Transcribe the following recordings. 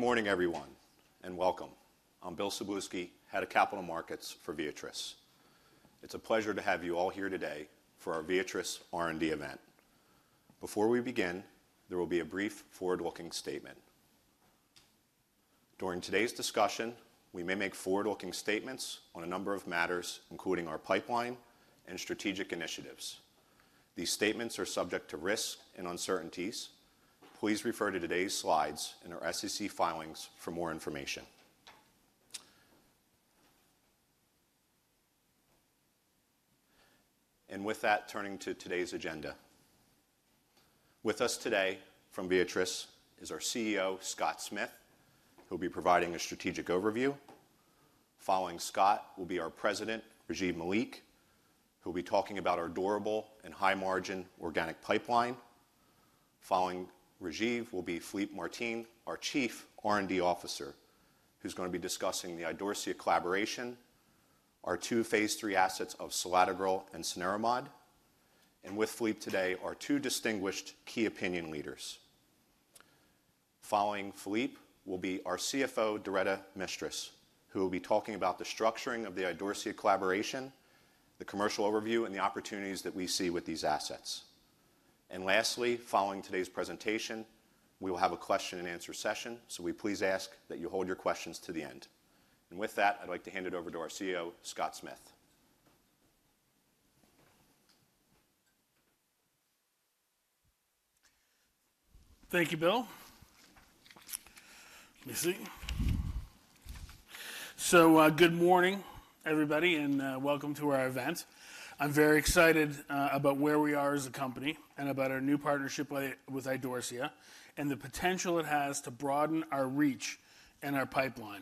Good morning, everyone, and welcome. I'm Bill Szablewski, Head of Capital Markets for Viatris. It's a pleasure to have you all here today for our Viatris R&D event. Before we begin, there will be a brief forward-looking statement. During today's discussion, we may make forward-looking statements on a number of matters, including our pipeline and strategic initiatives. These statements are subject to risks and uncertainties. Please refer to today's slides and our SEC filings for more information. With that, turning to today's agenda. With us today from Viatris is our CEO, Scott Smith, who'll be providing a strategic overview. Following Scott will be our President, Rajiv Malik, who'll be talking about our durable and high-margin organic pipeline. Following Rajiv will be Philippe Martin, our Chief R&D Officer, who's gonna be discussing the Idorsia collaboration, our two phase III assets of selatogrel and cenerimod. And with Philippe today, are two distinguished key opinion leaders. Following Philippe will be our CFO, Doretta Mistras, who will be talking about the structuring of the Idorsia collaboration, the commercial overview, and the opportunities that we see with these assets. And lastly, following today's presentation, we will have a question-and-answer session, so we please ask that you hold your questions to the end. And with that, I'd like to hand it over to our CEO, Scott Smith. Thank you, Bill. Let me see. So, good morning, everybody, and welcome to our event. I'm very excited about where we are as a company and about our new partnership with Idorsia, and the potential it has to broaden our reach and our pipeline.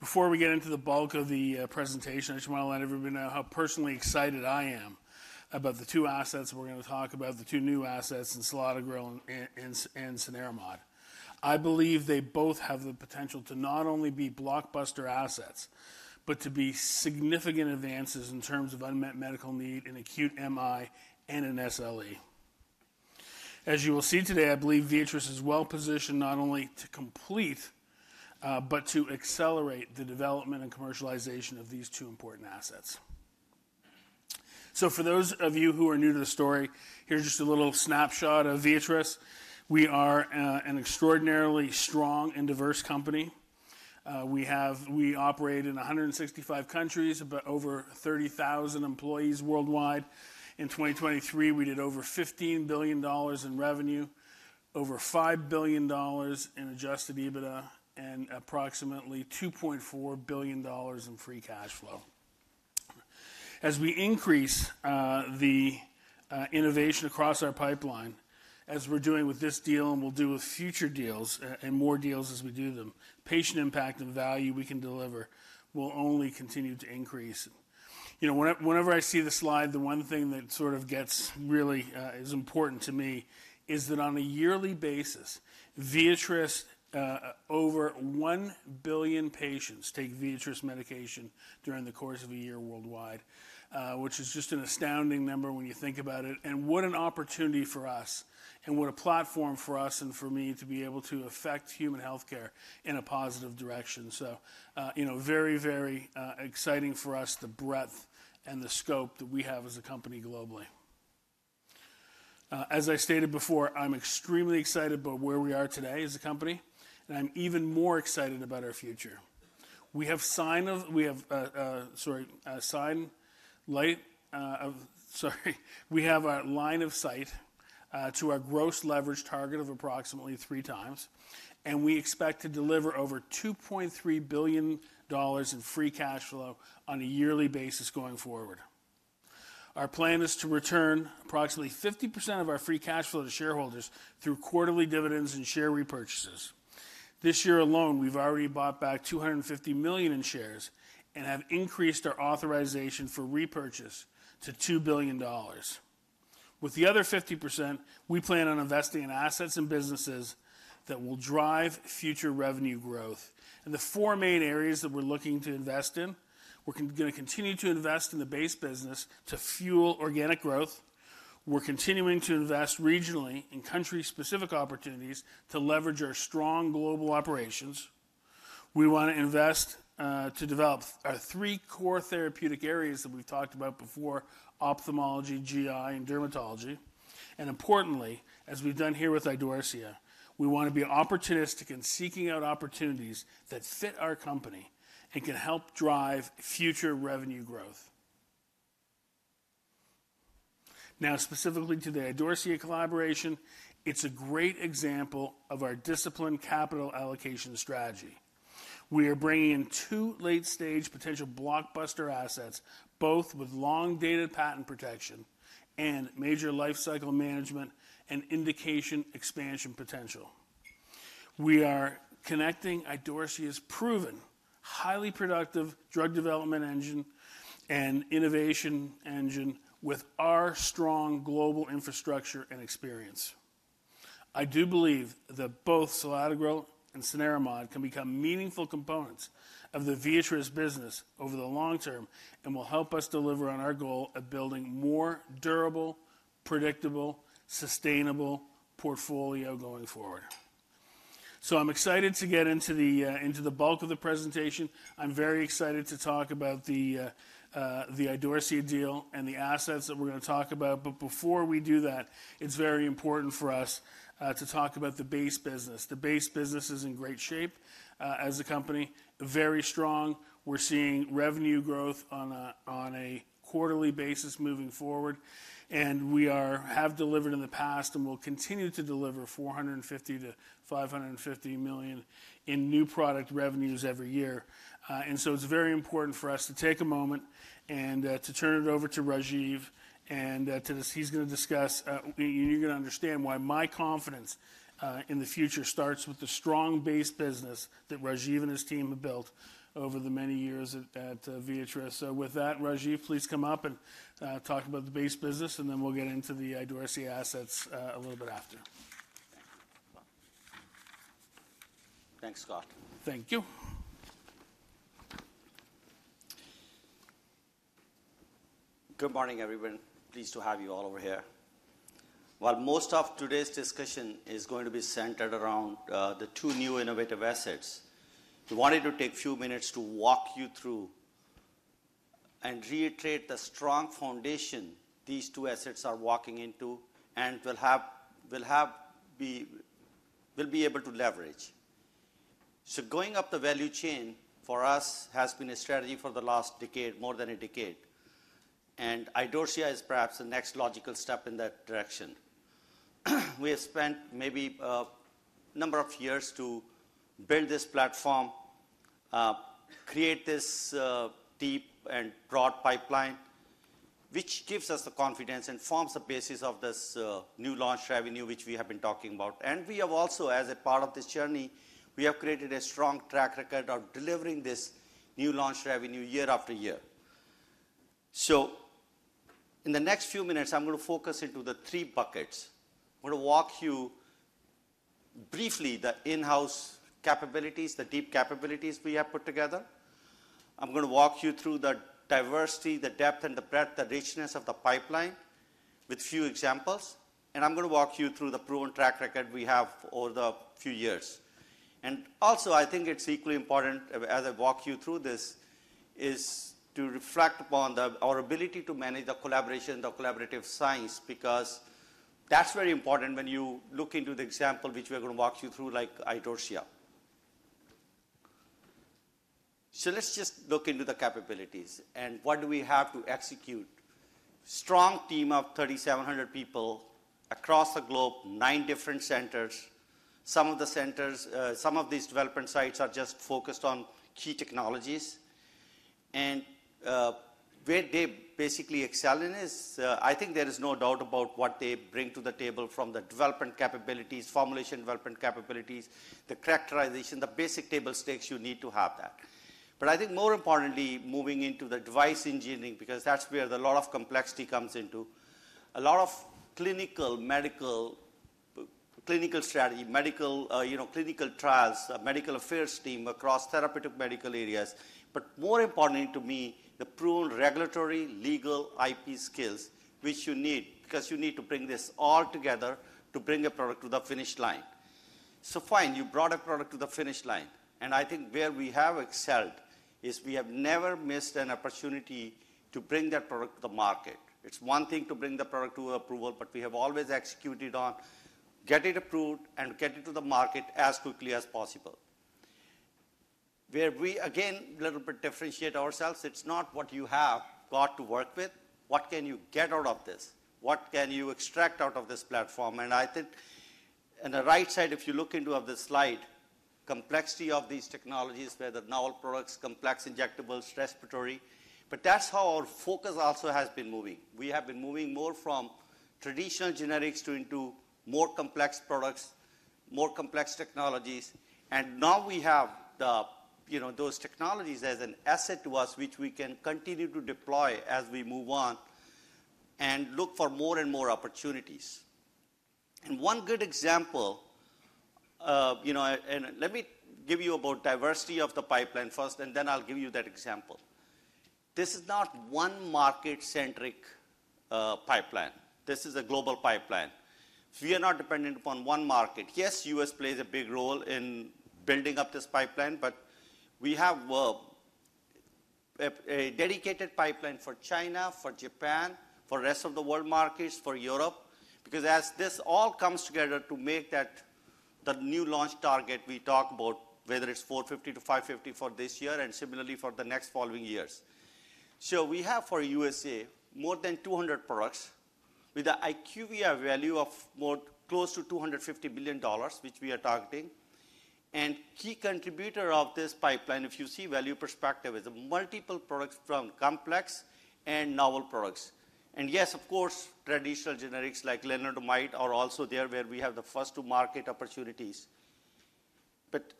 Before we get into the bulk of the presentation, I just wanna let everybody know how personally excited I am about the two assets we're gonna talk about, the two new assets in selatogrel and cenerimod. I believe they both have the potential to not only be blockbuster assets, but to be significant advances in terms of unmet medical need in acute MI and in SLE. As you will see today, I believe Viatris is well-positioned not only to complete, but to accelerate the development and commercialization of these two important assets. So for those of you who are new to the story, here's just a little snapshot of Viatris. We are an extraordinarily strong and diverse company. We operate in 165 countries, about over 30,000 employees worldwide. In 2023, we did over $15 billion in revenue, over $5 billion in adjusted EBITDA, and approximately $2.4 billion in free cash flow. As we increase the innovation across our pipeline, as we're doing with this deal and will do with future deals, and more deals as we do them, patient impact and value we can deliver will only continue to increase. You know, whenever I see this slide, the one thing that sort of gets really is important to me is that on a yearly basis, Viatris over 1 billion patients take Viatris medication during the course of a year worldwide, which is just an astounding number when you think about it. What an opportunity for us, and what a platform for us and for me to be able to affect human healthcare in a positive direction. So, you know, very, very exciting for us, the breadth and the scope that we have as a company globally. As I stated before, I'm extremely excited about where we are today as a company, and I'm even more excited about our future. We have sign of we have sorry, a sign light, sorry. We have a line of sight to our gross leverage target of approximately 3x, and we expect to deliver over $2.3 billion in free cash flow on a yearly basis going forward. Our plan is to return approximately 50% of our free cash flow to shareholders through quarterly dividends and share repurchases. This year alone, we've already bought back $250 million in shares and have increased our authorization for repurchase to $2 billion. With the other 50%, we plan on investing in assets and businesses that will drive future revenue growth. The four main areas that we're looking to invest in, we're gonna continue to invest in the base business to fuel organic growth. We're continuing to invest regionally in country-specific opportunities to leverage our strong global operations. We wanna invest to develop our three core therapeutic areas that we've talked about before: ophthalmology, GI, and dermatology. And importantly, as we've done here with Idorsia, we wanna be opportunistic in seeking out opportunities that fit our company and can help drive future revenue growth. Now, specifically to the Idorsia collaboration, it's a great example of our disciplined capital allocation strategy. We are bringing in two late-stage potential blockbuster assets, both with long dated patent protection and major lifecycle management and indication expansion potential. We are connecting Idorsia's proven, highly productive drug development engine and innovation engine with our strong global infrastructure and experience. I do believe that both selatogrel and cenerimod can become meaningful components of the Viatris business over the long term and will help us deliver on our goal of building more durable, predictable, sustainable portfolio going forward. So I'm excited to get into the, into the bulk of the presentation. I'm very excited to talk about the, the Idorsia deal and the assets that we're gonna talk about. But before we do that, it's very important for us, to talk about the base business. The base business is in great shape, as a company, very strong. We're seeing revenue growth on a quarterly basis moving forward, and we have delivered in the past and will continue to deliver $450 million-$550 million in new product revenues every year. And so it's very important for us to take a moment and to turn it over to Rajiv, and he's gonna discuss, and you're gonna understand why my confidence in the future starts with the strong base business that Rajiv and his team have built over the many years at Viatris. So with that, Rajiv, please come up and talk about the base business, and then we'll get into the Idorsia assets a little bit after. Thanks, Scott. Thank you. Good morning, everyone. Pleased to have you all over here. While most of today's discussion is going to be centered around the two new innovative assets, we wanted to take a few minutes to walk you through and reiterate the strong foundation these two assets are walking into and will be able to leverage. So going up the value chain for us has been a strategy for the last decade, more than a decade, and Idorsia is perhaps the next logical step in that direction. We have spent maybe number of years to build this platform, create this deep and broad pipeline, which gives us the confidence and forms the basis of this new launch revenue, which we have been talking about. And we have also, as a part of this journey, we have created a strong track record of delivering this new launch revenue year after year. So in the next few minutes, I'm going to focus into the three buckets. I'm gonna walk you briefly the in-house capabilities, the deep capabilities we have put together. I'm gonna walk you through the diversity, the depth and the breadth, the richness of the pipeline with few examples, and I'm gonna walk you through the proven track record we have over the few years. And also, I think it's equally important as I walk you through this, is to reflect upon the, our ability to manage the collaboration, the collaborative science, because that's very important when you look into the example which we are going to walk you through, like Idorsia. So let's just look into the capabilities and what do we have to execute. Strong team of 3,700 people across the globe, nine different centers. Some of the centers, some of these development sites are just focused on key technologies, and where they basically excel in is, I think there is no doubt about what they bring to the table from the development capabilities, formulation development capabilities, the characterization, the basic table stakes, you need to have that. But I think more importantly, moving into the device engineering, because that's where the lot of complexity comes into, a lot of clinical, medical, clinical strategy, medical, you know, clinical trials, medical affairs team across therapeutic medical areas, but more importantly to me, the proven regulatory, legal, IP skills which you need, because you need to bring this all together to bring a product to the finish line. So fine, you brought a product to the finish line, and I think where we have excelled is we have never missed an opportunity to bring that product to the market. It's one thing to bring the product to approval, but we have always executed on get it approved and get it to the market as quickly as possible. Where we, again, little bit differentiate ourselves, it's not what you have got to work with, what can you get out of this? What can you extract out of this platform? And I think on the right side, if you look into the slide, complexity of these technologies, whether novel products, complex injectables, respiratory, but that's how our focus also has been moving. We have been moving more from traditional generics to, into more complex products, more complex technologies, and now we have the, you know, those technologies as an asset to us, which we can continue to deploy as we move on and look for more and more opportunities. And one good example, you know, and let me give you about diversity of the pipeline first, and then I'll give you that example. This is not one market-centric pipeline. This is a global pipeline. We are not dependent upon one market. Yes, U.S. plays a big role in building up this pipeline, but we have a dedicated pipeline for China, for Japan, for rest of the world markets, for Europe, because as this all comes together to make that, the new launch target we talk about, whether it's $450-$550 for this year and similarly for the next following years. So we have for USA, more than 200 products with an IQVIA value of more close to $250 billion, which we are targeting. And key contributor of this pipeline, if you see value perspective, is multiple products from complex and novel products. And yes, of course, traditional generics like lenalidomide are also there, where we have the first to market opportunities. But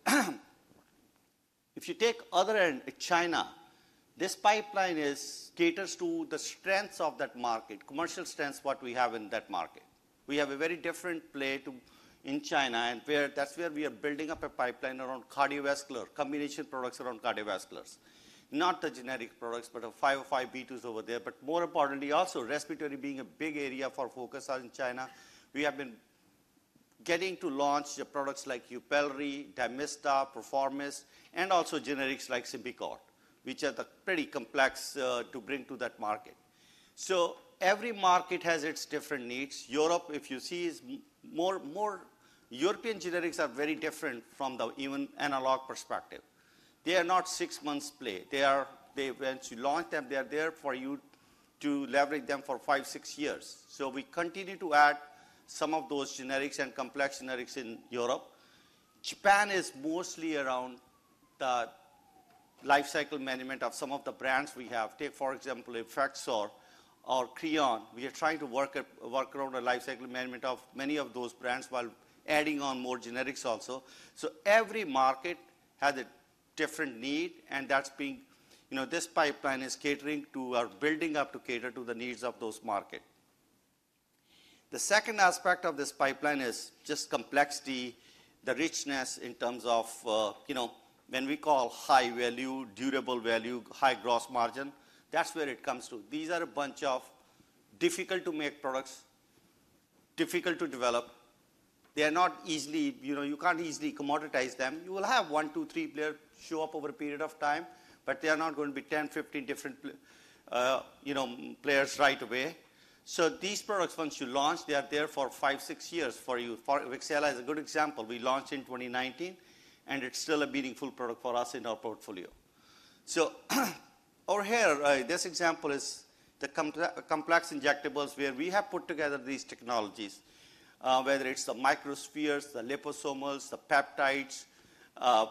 if you take other end, China, this pipeline caters to the strengths of that market, commercial strengths, what we have in that market. We have a very different play to in China, and where, that's where we are building up a pipeline around cardiovascular, combination products around cardiovasculars. Not the generic products, but 505(b)(2)s over there, but more importantly, also respiratory being a big area for focus out in China, we have been getting to launch the products like Yupelri, Dymista, Perforomist, and also generics like Symbicort, which are pretty complex to bring to that market. So every market has its different needs. Europe, if you see, is more European generics are very different from the even analog perspective. They are not six months play. They are once you launch them, they are there for you to leverage them for five, six years. So we continue to add some of those generics and complex generics in Europe. Japan is mostly around the life cycle management of some of the brands we have. Take, for example, Effexor or Creon. We are trying to work around the life cycle management of many of those brands while adding on more generics also. So every market has a different need, and that's being. You know, this pipeline is catering to or building up to cater to the needs of those market. The second aspect of this pipeline is just complexity, the richness in terms of, you know, when we call high value, durable value, high gross margin, that's where it comes to. These are a bunch of difficult-to-make products, difficult to develop. They are not easily. You know, you can't easily commoditize them. You will have one, two, three players show up over a period of time, but they are not going to be 10, 15 different players right away. So these products, once you launch, they are there for 5, 6 years for you. Wixela is a good example. We launched in 2019, and it's still a meaningful product for us in our portfolio. So, over here, this example is the complex injectables, where we have put together these technologies, whether it's the microspheres, the liposomes, the peptides,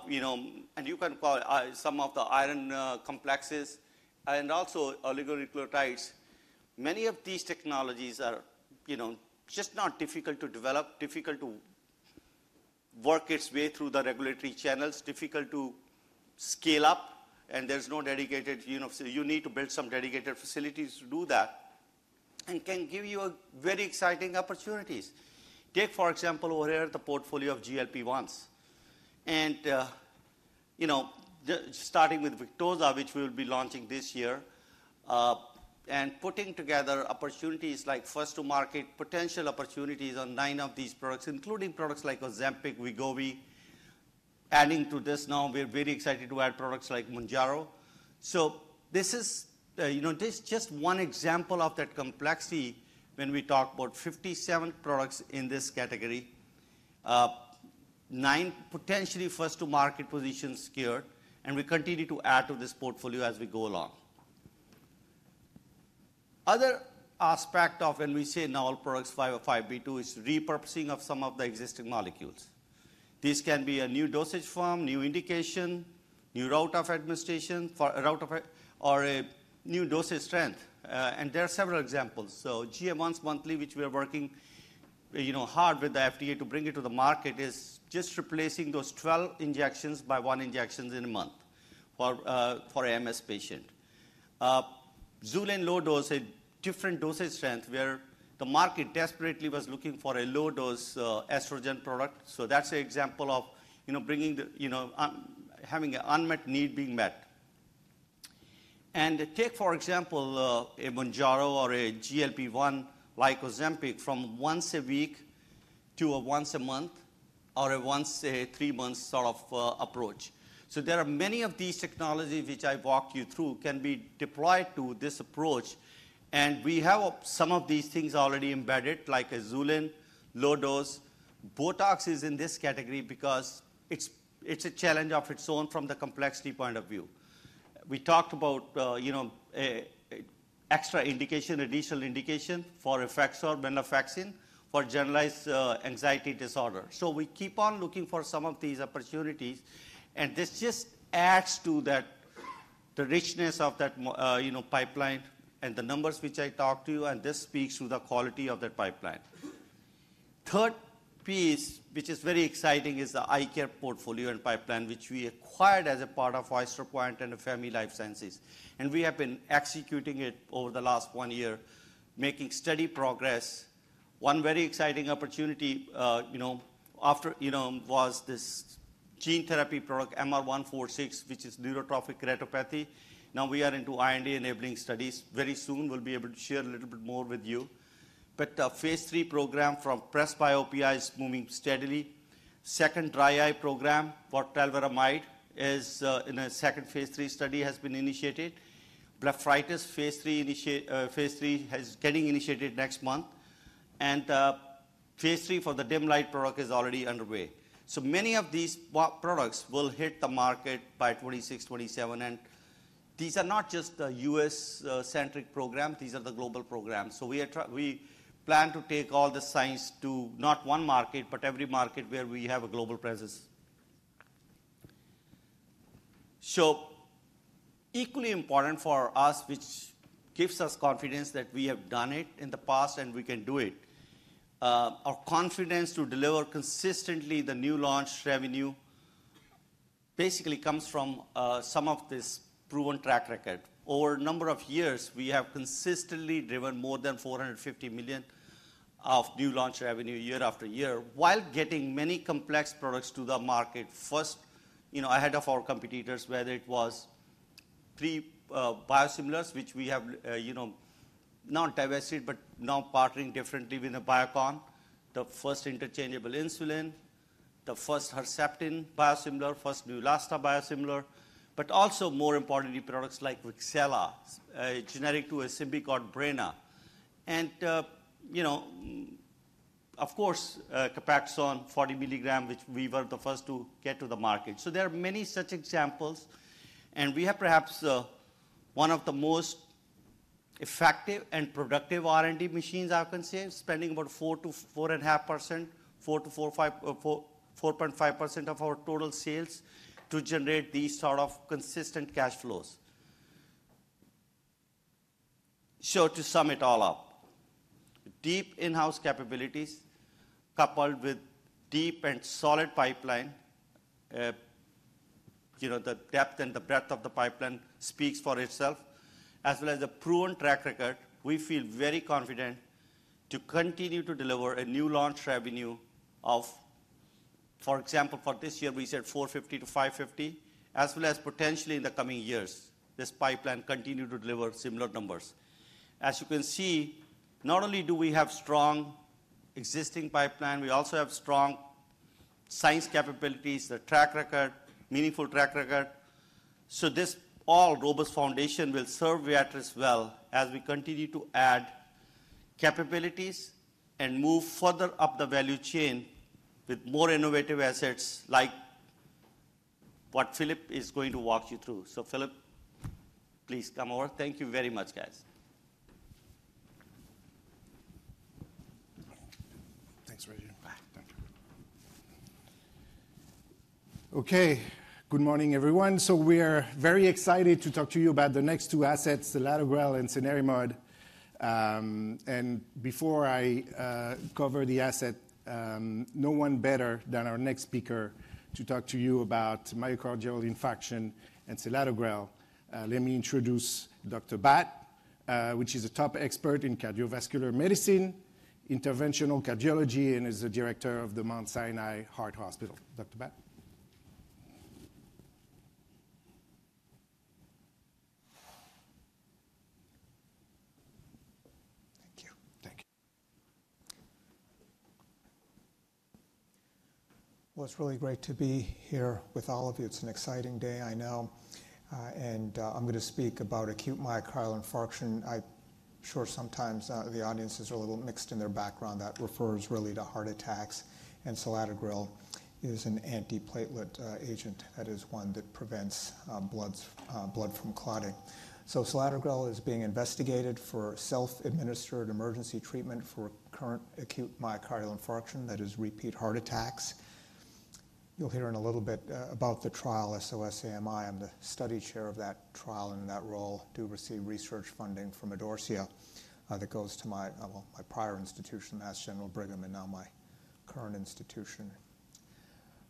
you know, and you can call some of the iron complexes and also oligonucleotides. Many of these technologies are, you know, just not difficult to develop, difficult to work its way through the regulatory channels, difficult to scale up, and there's no dedicated, you know So you need to build some dedicated facilities to do that, and can give you a very exciting opportunities. Take, for example, over here, the portfolio of GLP-1s. And, you know, the starting with Victoza, which we'll be launching this year, and putting together opportunities like first to market, potential opportunities on 9 of these products, including products like Ozempic, Wegovy. Adding to this now, we are very excited to add products like Mounjaro. So this is, you know, this is just one example of that complexity when we talk about 57 products in this category, 9 potentially first to market positions secured, and we continue to add to this portfolio as we go along. Other aspect of when we say now products 505(b)(2) is repurposing of some of the existing molecules. This can be a new dosage form, new indication, new route of administration, for a route of or a new dosage strength. And there are several examples. So GA once monthly, which we are working, you know, hard with the FDA to bring it to the market, is just replacing those 12 injections by one injections in a month for a MS patient. Xulane low dose, a different dosage strength, where the market desperately was looking for a low-dose estrogen product. So that's an example of, you know, bringing the, you know, having an unmet need being met. And take, for example, a Mounjaro or a GLP-1 like Ozempic, from once a week to a once a month or a once a three months sort of approach. So there are many of these technologies which I walked you through can be deployed to this approach, and we have some of these things already embedded, like a Xulane low dose. Botox is in this category because it's a challenge of its own from the complexity point of view. We talked about, you know, an extra indication, additional indication for Effexor, venlafaxine, for generalized anxiety disorder. So we keep on looking for some of these opportunities, and this just adds to that, the richness of that pipeline and the numbers which I talked to you, and this speaks to the quality of that pipeline. Third piece, which is very exciting, is the eye care portfolio and pipeline, which we acquired as a part of Alcon and Famy Life Sciences, and we have been executing it over the last one year, making steady progress. One very exciting opportunity, you know, after, you know, was this gene therapy product, MR-146, which is neurotrophic keratopathy. Now, we are into IND-enabling studies. Very soon, we'll be able to share a little bit more with you. But, phase three program for presbyopia is moving steadily. Second dry eye program for telvornamab is in a second phase three study has been initiated. Blepharitis, phase three is getting initiated next month. And, phase three for the dim light product is already underway. So many of these products will hit the market by 2026, 2027, and these are not just a U.S.-centric program; these are the global programs. So we plan to take all the science to not one market, but every market where we have a global presence. So equally important for us, which gives us confidence that we have done it in the past and we can do it, our confidence to deliver consistently the new launch revenue basically comes from some of this proven track record. Over a number of years, we have consistently driven more than $450 million of new launch revenue year after year, while getting many complex products to the market first, you know, ahead of our competitors, whether it was three, biosimilars, which we have, you know, not divested, but now partnering differently with Biocon. The first interchangeable insulin, the first Herceptin biosimilar, first Neulasta biosimilar, but also more importantly, products like Rexulti, a generic to Symbicort called Breyna. And, you know, of course, Copaxone 40 milligram, which we were the first to get to the market. So there are many such examples, and we have perhaps, one of the most effective and productive R&D machines I can say, spending about 4%-4.5%, 4 to 4.5, 4, 4.5% of our total sales to generate these sort of consistent cash flows. So to sum it all up, deep in-house capabilities coupled with deep and solid pipeline, you know, the depth and the breadth of the pipeline speaks for itself, as well as a proven track record. We feel very confident to continue to deliver a new launch revenue of, for example, for this year, we said $450 million-$550 million, as well as potentially in the coming years, this pipeline continue to deliver similar numbers. As you can see, not only do we have strong existing pipeline, we also have strong science capabilities, a track record, meaningful track record. So this all robust foundation will serve Viatris well as we continue to add capabilities and move further up the value chain with more innovative assets like what Philippe is going to walk you through. So, Philippe, please come over. Thank you very much, guys. Thanks, Rajiv. Bye. Thank you. Okay, good morning, everyone. So we are very excited to talk to you about the next two assets, selatogrel and cenerimod. And before I cover the asset, no one better than our next speaker to talk to you about myocardial infarction and selatogrel. Let me introduce Dr. Bhatt, which is a top expert in cardiovascular medicine, interventional cardiology, and is the director of the Mount Sinai Heart. Dr. Bhatt? Thank you. Thank you. Well, it's really great to be here with all of you. It's an exciting day, I know, and I'm gonna speak about acute myocardial infarction. I'm sure sometimes the audience is a little mixed in their background. That refers really to heart attacks, and selatogrel is an antiplatelet agent. That is one that prevents blood from clotting. So selatogrel is being investigated for self-administered emergency treatment for current acute myocardial infarction, that is, repeat heart attacks. You'll hear in a little bit about the trial, SOS-AMI. I'm the study chair of that trial, and in that role, do receive research funding from Idorsia that goes to my, well, my prior institution, Mass General Brigham, and now my current institution.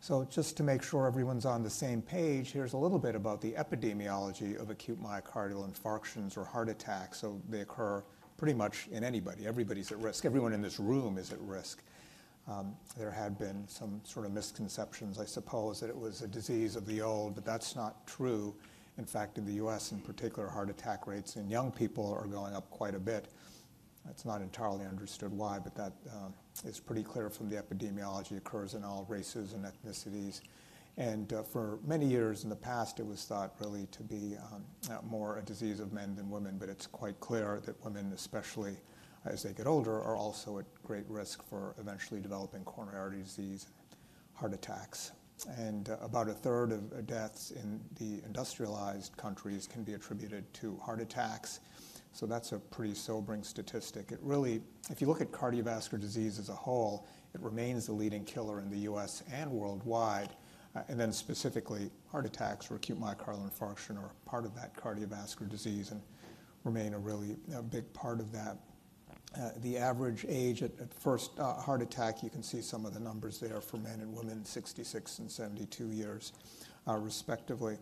So just to make sure everyone's on the same page, here's a little bit about the epidemiology of acute myocardial infarctions or heart attacks. They occur pretty much in anybody. Everybody's at risk. Everyone in this room is at risk. There had been some sort of misconceptions, I suppose, that it was a disease of the old, but that's not true. In fact, in the U.S. in particular, heart attack rates in young people are going up quite a bit. That's not entirely understood why, but that is pretty clear from the epidemiology, occurs in all races and ethnicities. For many years in the past, it was thought really to be more a disease of men than women. But it's quite clear that women, especially as they get older, are also at great risk for eventually developing coronary artery disease, heart attacks. About a third of deaths in the industrialized countries can be attributed to heart attacks. So that's a pretty sobering statistic. It really If you look at cardiovascular disease as a whole, it remains the leading killer in the U.S. and worldwide, and then specifically, heart attacks or acute myocardial infarction are a part of that cardiovascular disease and remain a really, a big part of that. The average age at first heart attack, you can see some of the numbers there for men and women, 66 and 72 years, respectively.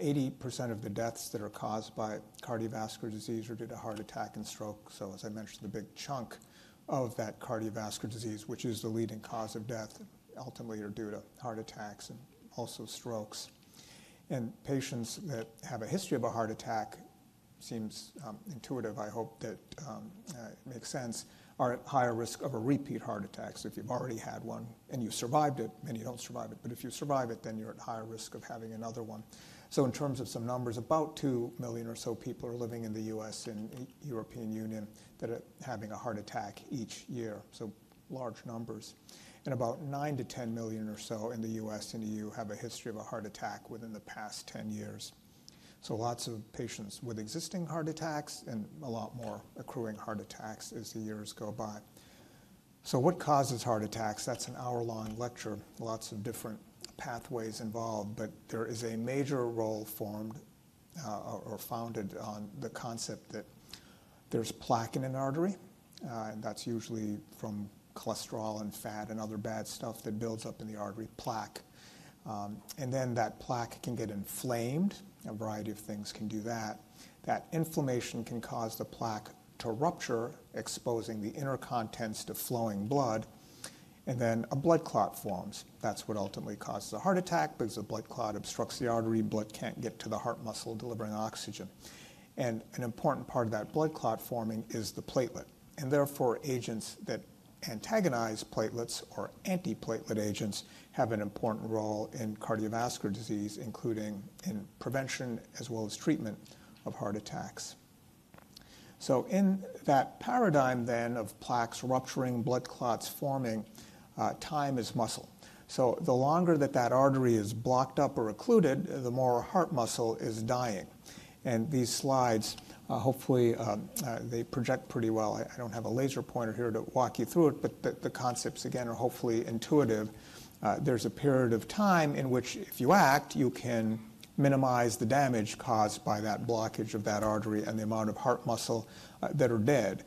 Eighty percent of the deaths that are caused by cardiovascular disease are due to heart attack and stroke. So, as I mentioned, a big chunk of that cardiovascular disease, which is the leading cause of death, ultimately are due to heart attacks and also strokes. Patients that have a history of a heart attack, seems intuitive, I hope that makes sense, are at higher risk of a repeat heart attack. So if you've already had one and you survived it, many don't survive it, but if you survive it, then you're at higher risk of having another one. In terms of some numbers, about two million or so people are living in the U.S. and European Union that are having a heart attack each year, so large numbers. About 9-10 million or so in the U.S. and EU have a history of a heart attack within the past 10 years. Lots of patients with existing heart attacks and a lot more accruing heart attacks as the years go by. What causes heart attacks? That's an hour-long lecture. Lots of different pathways involved, but there is a major role formed or founded on the concept that there's plaque in an artery, and that's usually from cholesterol and fat and other bad stuff that builds up in the artery, plaque. And then that plaque can get inflamed. A variety of things can do that. That inflammation can cause the plaque to rupture, exposing the inner contents to flowing blood, and then a blood clot forms. That's what ultimately causes a heart attack, because a blood clot obstructs the artery, blood can't get to the heart muscle delivering oxygen. And an important part of that blood clot forming is the platelet, and therefore, agents that antagonize platelets or antiplatelet agents have an important role in cardiovascular disease, including in prevention as well as treatment of heart attacks. So in that paradigm then of plaques rupturing, blood clots forming, time is muscle. So the longer that that artery is blocked up or occluded, the more heart muscle is dying. And these slides, hopefully, they project pretty well. I don't have a laser pointer here to walk you through it, but the concepts, again, are hopefully intuitive. There's a period of time in which if you act, you can minimize the damage caused by that blockage of that artery and the amount of heart muscle that are dead.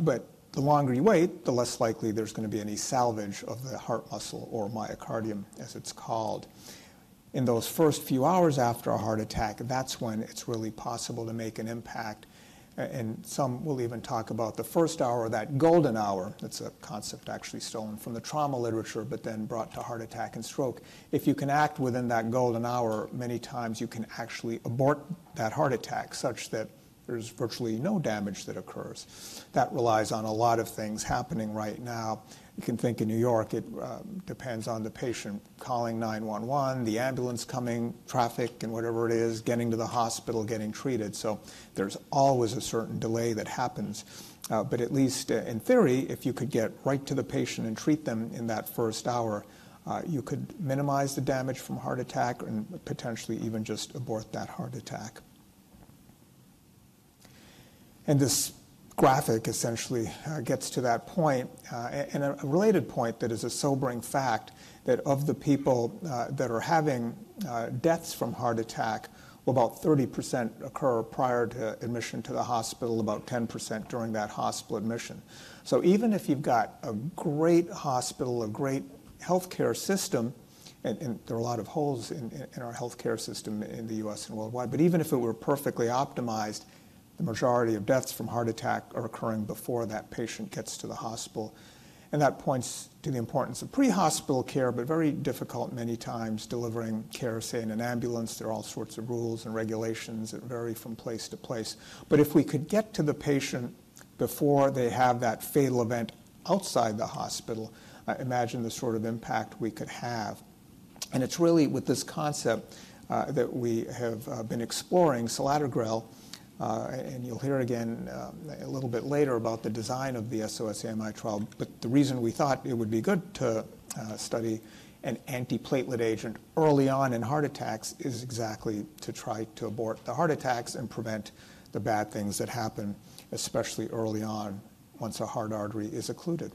But the longer you wait, the less likely there's gonna be any salvage of the heart muscle or myocardium, as it's called. In those first few hours after a heart attack, that's when it's really possible to make an impact, and some will even talk about the first hour, that golden hour. That's a concept actually stolen from the trauma literature, but then brought to heart attack and stroke. If you can act within that golden hour, many times you can actually abort that heart attack, such that there's virtually no damage that occurs. That relies on a lot of things happening right now. You can think in New York, it depends on the patient calling 911, the ambulance coming, traffic and whatever it is, getting to the hospital, getting treated. So there's always a certain delay that happens. But at least, in theory, if you could get right to the patient and treat them in that first hour, you could minimize the damage from a heart attack and potentially even just abort that heart attack. And this graphic essentially gets to that point. And a related point that is a sobering fact, that of the people that are having deaths from heart attack, about 30% occur prior to admission to the hospital, about 10% during that hospital admission. So even if you've got a great hospital, a great healthcare system, and there are a lot of holes in our healthcare system in the U.S. and worldwide, but even if it were perfectly optimized, the majority of deaths from heart attack are occurring before that patient gets to the hospital. And that points to the importance of pre-hospital care, but very difficult, many times, delivering care, say, in an ambulance. There are all sorts of rules and regulations that vary from place to place. But if we could get to the patient before they have that fatal event outside the hospital, imagine the sort of impact we could have. And it's really with this concept that we have been exploring selatogrel, and you'll hear again, a little bit later about the design of the SOS-AMI trial. But the reason we thought it would be good to study an antiplatelet agent early on in heart attacks is exactly to try to abort the heart attacks and prevent the bad things that happen, especially early on, once a heart artery is occluded.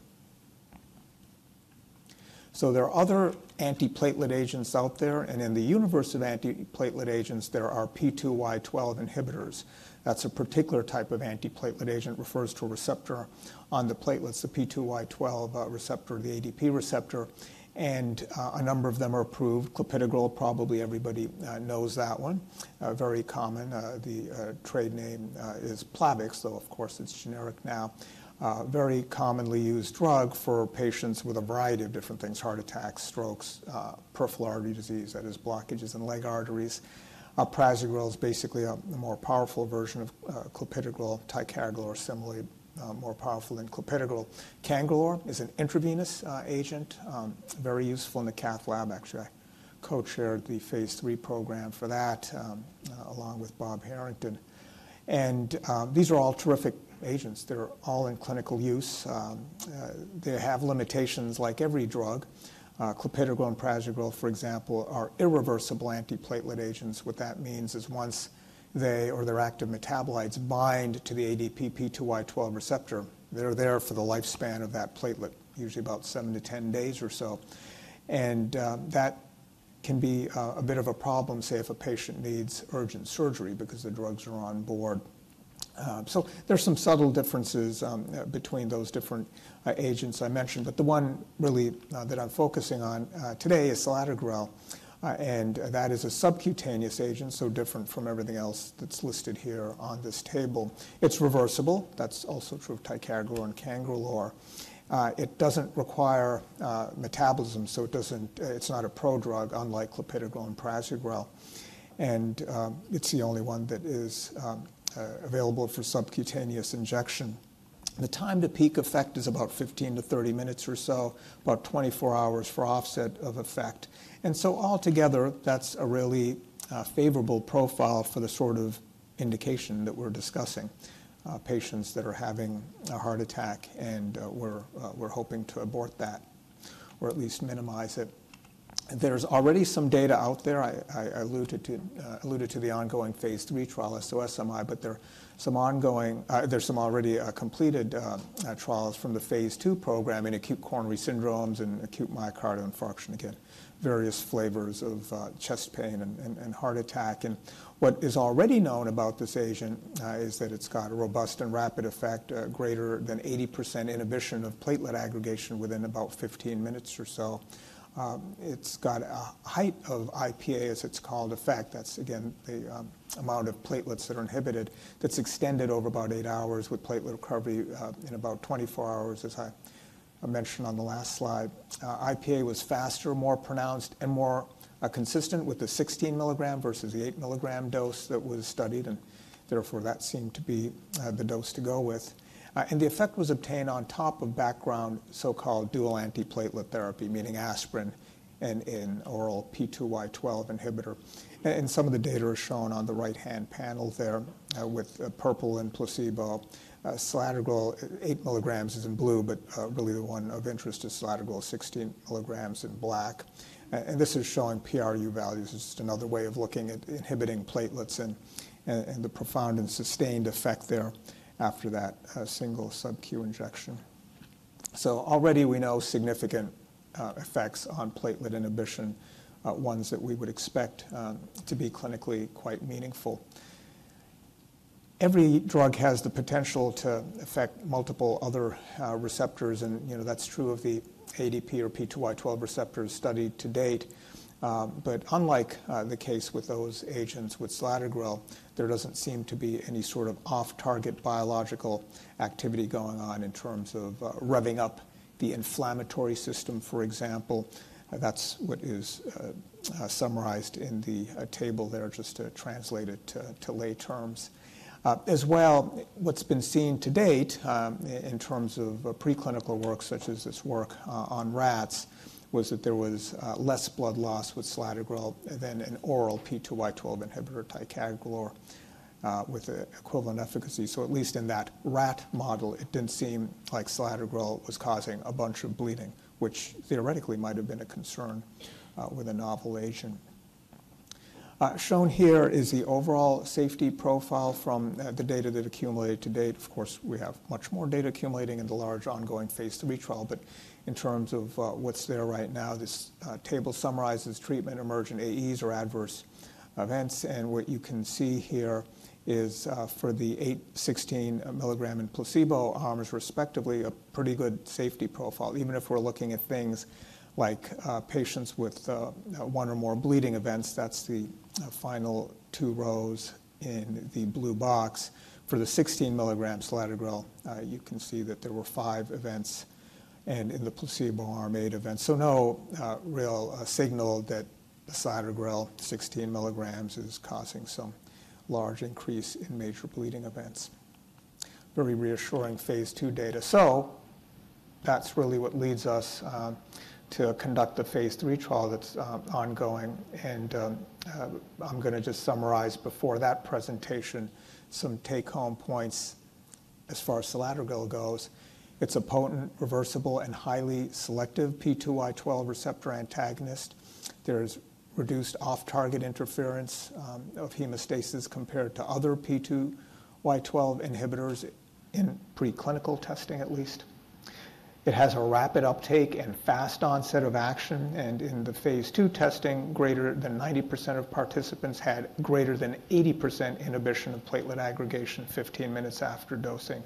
So there are other antiplatelet agents out there, and in the universe of antiplatelet agents, there are P2Y12 inhibitors. That's a particular type of antiplatelet agent, refers to a receptor on the platelets, the P2Y12 receptor, the ADP receptor, and a number of them are approved. Clopidogrel, probably everybody knows that one. Very common, the trade name is Plavix, though of course, it's generic now. Very commonly used drug for patients with a variety of different things: heart attacks, strokes, peripheral artery disease, that is, blockages in leg arteries. Prasugrel is basically a, the more powerful version of clopidogrel. Ticagrelor, similarly, more powerful than clopidogrel. Cangrelor is an intravenous agent, very useful in the cath lab. Actually, I co-chaired the phase III program for that, along with Bob Harrington. And, these are all terrific agents. They're all in clinical use. They have limitations like every drug. Clopidogrel and Prasugrel, for example, are irreversible antiplatelet agents. What that means is once they or their active metabolites bind to the ADP P2Y12 receptor, they're there for the lifespan of that platelet, usually about 7-10 days or so. And, that can be a bit of a problem, say, if a patient needs urgent surgery because the drugs are on board. So there's some subtle differences between those different agents I mentioned, but the one really that I'm focusing on today is selatogrel, and that is a subcutaneous agent, so different from everything else that's listed here on this table. It's reversible. That's also true of Ticagrelor and Cangrelor. It doesn't require metabolism, so it doesn't, it's not a prodrug, unlike Clopidogrel and prasugrel. And it's the only one that is available for subcutaneous injection. The time to peak effect is about 15-30 minutes or so, about 24 hours for offset of effect. And so altogether, that's a really favorable profile for the sort of indication that we're discussing, patients that are having a heart attack, and we're hoping to abort that, or at least minimize it. There's already some data out there. I alluded to the ongoing phase III trial, SOS-AMI, but there are some ongoing, there's some already completed trials from the phase II program in acute coronary syndromes and acute myocardial infarction. Again, various flavors of chest pain and heart attack. What is already known about this agent is that it's got a robust and rapid effect, greater than 80% inhibition of platelet aggregation within about 15 minutes or so. It's got a height of IPA, as it's called, effect. That's, again, the amount of platelets that are inhibited, that's extended over about 8 hours, with platelet recovery in about 24 hours, as I mentioned on the last slide. IPA was faster, more pronounced, and more consistent with the 16 milligram versus the 8 milligram dose that was studied, and therefore, that seemed to be the dose to go with. And the effect was obtained on top of background, so-called dual antiplatelet therapy, meaning aspirin and an oral P2Y12 inhibitor. Some of the data are shown on the right-hand panel there, with purple and placebo. selatogrel, 8 mg is in blue, but really the one of interest is selatogrel 16 milligrams in black. This is showing PRU values. It's just another way of looking at inhibiting platelets and the profound and sustained effect thereafter that single sub-Q injection. So already we know significant effects on platelet inhibition, ones that we would expect to be clinically quite meaningful. Every drug has the potential to affect multiple other receptors, and you know, that's true of the ADP or P2Y12 receptors studied to date. But unlike the case with those agents, with selatogrel, there doesn't seem to be any sort of off-target biological activity going on in terms of revving up the inflammatory system, for example. That's what is summarized in the table there, just to translate it to lay terms. As well, what's been seen to date, in terms of preclinical work, such as this work on rats, was that there was less blood loss with selatogrel than an oral P2Y12 inhibitor, ticagrelor, with an equivalent efficacy. So at least in that rat model, it didn't seem like selatogrel was causing a bunch of bleeding, which theoretically might have been a concern with a novel agent. Shown here is the overall safety profile from the data that accumulated to date. Of course, we have much more data accumulating in the large ongoing phase III trial, but in terms of what's there right now, this table summarizes treatment-emergent AEs, or adverse events. What you can see here is, for the 8, 16 milligram in placebo arms, respectively, a pretty good safety profile, even if we're looking at things like, patients with, one or more bleeding events. That's the, final two rows in the blue box. For the 16 milligram selatogrel, you can see that there were five events, and in the placebo arm, 8 events. So no, real, signal that the selatogrel 16 milligrams is causing some large increase in major bleeding events. Very reassuring phase II data. So that's really what leads us, to conduct the phase III trial that's, ongoing, and, I'm gonna just summarize before that presentation some take-home points as far as selatogrel goes. It's a potent, reversible, and highly selective P2Y12 receptor antagonist. There's reduced off-target interference, of hemostasis compared to other P2Y12 inhibitors in preclinical testing, at least. It has a rapid uptake and fast onset of action, and in the phase II testing, greater than 90% of participants had greater than 80% inhibition of platelet aggregation 15 minutes after dosing.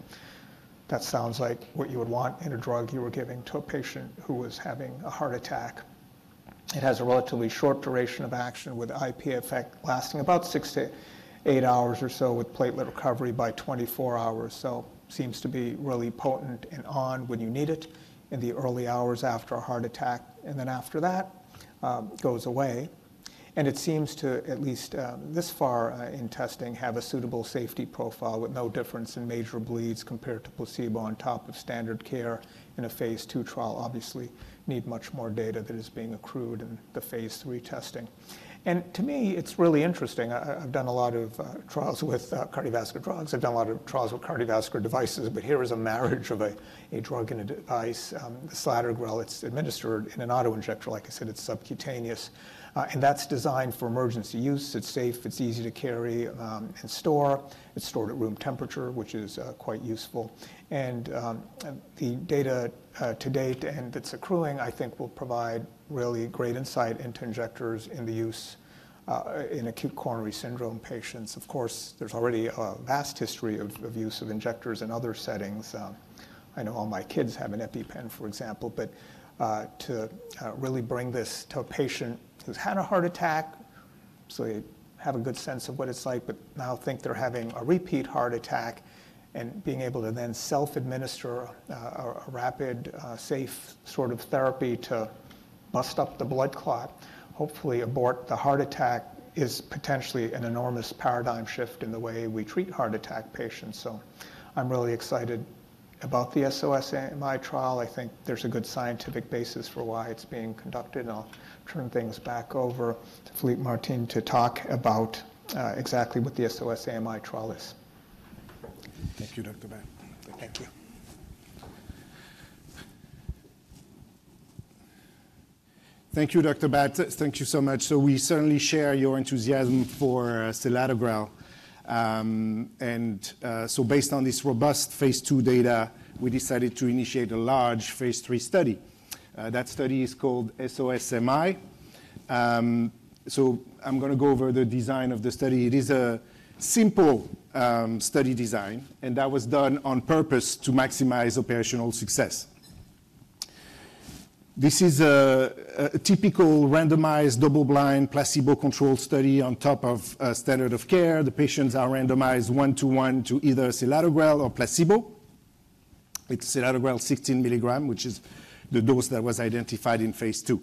That sounds like what you would want in a drug you were giving to a patient who was having a heart attack. It has a relatively short duration of action, with IPA effect lasting about six-8 hours or so, with platelet recovery by 24 hours. So seems to be really potent and on when you need it in the early hours after a heart attack, and then after that, goes away. It seems to, at least, this far, in testing, have a suitable safety profile with no difference in major bleeds compared to placebo on top of standard care in a phase two trial. Obviously, need much more data that is being accrued in the phase three testing. To me, it's really interesting. I, I've done a lot of, trials with, cardiovascular drugs. I've done a lot of trials with cardiovascular devices, but here is a marriage of a, a drug and a device. selatogrel, it's administered in an auto injector. Like I said, it's subcutaneous, and that's designed for emergency use. It's safe, it's easy to carry, and store. It's stored at room temperature, which is, quite useful. And, the data to date, and it's accruing, I think, will provide really great insight into injectors in the use in acute coronary syndrome patients. Of course, there's already a vast history of use of injectors in other settings. I know all my kids have an EpiPen, for example, but to really bring this to a patient who's had a heart attack, so they have a good sense of what it's like, but now think they're having a repeat heart attack And being able to then self-administer a rapid, safe sort of therapy to bust up the blood clot, hopefully abort the heart attack, is potentially an enormous paradigm shift in the way we treat heart attack patients. So I'm really excited about the SOS-AMI trial.I think there's a good scientific basis for why it's being conducted, and I'll turn things back over to Philippe Martin to talk about exactly what the SOS-AMI trial is. Thank you, Dr. Bhatt. Thank you. Thank you, Dr. Bhatt. Thank you so much. We certainly share your enthusiasm for selatogrel. Based on this robust phase II data, we decided to initiate a large phase III study. That study is called SOS-AMI. So I'm gonna go over the design of the study. It is a simple study design, and that was done on purpose to maximize operational success. This is a typical randomized, double-blind, placebo-controlled study on top of a standard of care. The patients are randomized 1:1 to either selatogrel or placebo, with selatogrel 16 mg, which is the dose that was identified in phase II.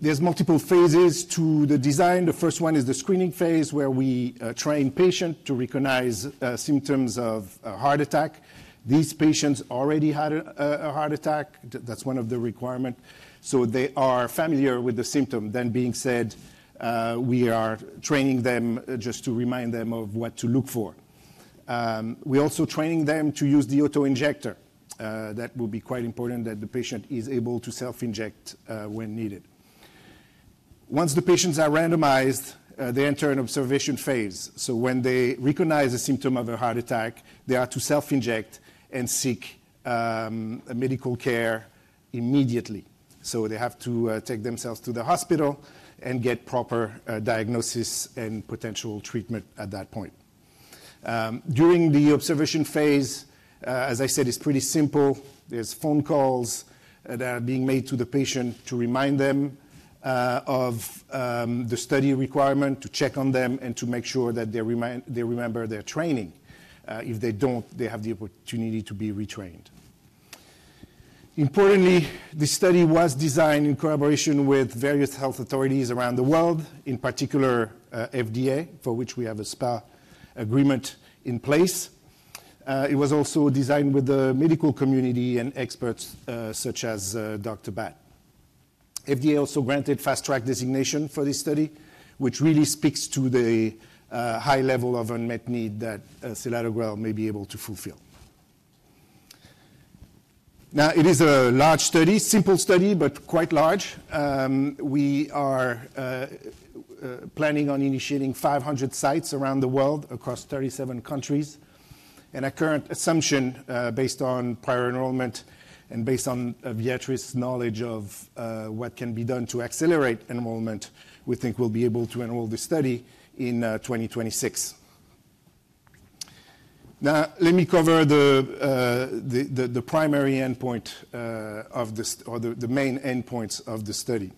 There's multiple phases to the design. The first one is the screening phase, where we train patients to recognize symptoms of a heart attack. These patients already had a heart attack. That's one of the requirement. So they are familiar with the symptom. That being said, we are training them just to remind them of what to look for. We're also training them to use the auto-injector. That will be quite important that the patient is able to self-inject, when needed. Once the patients are randomized, they enter an observation phase. So when they recognize a symptom of a heart attack, they are to self-inject and seek medical care immediately. So they have to take themselves to the hospital and get proper diagnosis and potential treatment at that point. During the observation phase, as I said, it's pretty simple. are phone calls that are being made to the patient to remind them of the study requirement, to check on them, and to make sure that they remember their training. If they don't, they have the opportunity to be retrained. Importantly, this study was designed in collaboration with various health authorities around the world, in particular, FDA, for which we have a SPA agreement in place. It was also designed with the medical community and experts, such as Dr. Bhatt. FDA also granted fast track designation for this study, which really speaks to the high level of unmet need that selatogrel may be able to fulfill. Now, it is a large study, simple study, but quite large. We are planning on initiating 500 sites around the world across 37 countries. Our current assumption, based on prior enrollment and based on Viatris' knowledge of what can be done to accelerate enrollment, we think we'll be able to enroll this study in 2026. Now, let me cover the primary endpoint of this or the main endpoints of the study.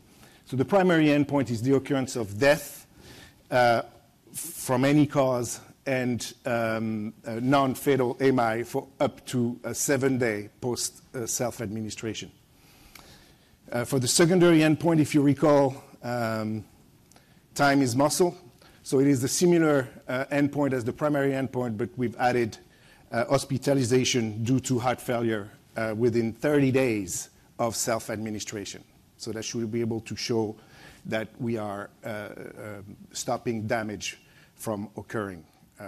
So the primary endpoint is the occurrence of death from any cause and a non-fatal AMI for up to a seven day post self-administration. For the secondary endpoint, if you recall, time is muscle, so it is a similar endpoint as the primary endpoint, but we've added hospitalization due to heart failure within 30 days of self-administration. So that should be able to show that we are stopping damage from occurring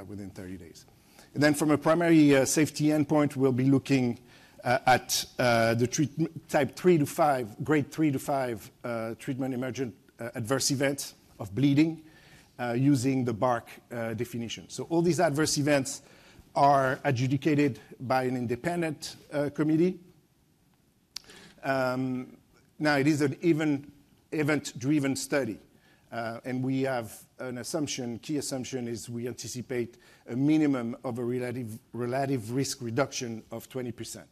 within 30 days. And then from a primary safety endpoint, we'll be looking at the treatment type three to five, grade three to five, treatment emergent adverse event of bleeding, using the BARC definition. So all these adverse events are adjudicated by an independent committee. Now, it is an event-driven study, and we have an assumption. Key assumption is we anticipate a minimum of a relative risk reduction of 20%.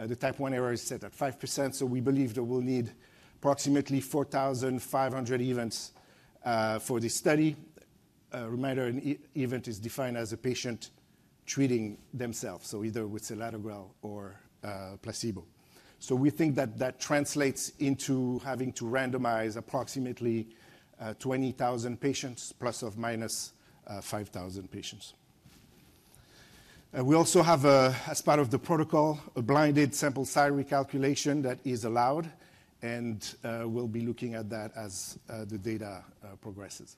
The type one error is set at 5%, so we believe that we'll need approximately 4,500 events for this study. A reminder, an event is defined as a patient treating themselves, so either with selatogrel or placebo. So we think that that translates into having to randomize approximately 20,000 patients ± 5,000 patients. We also have a, as part of the protocol, a blinded sample size recalculation that is allowed, and, we'll be looking at that as, the data, progresses.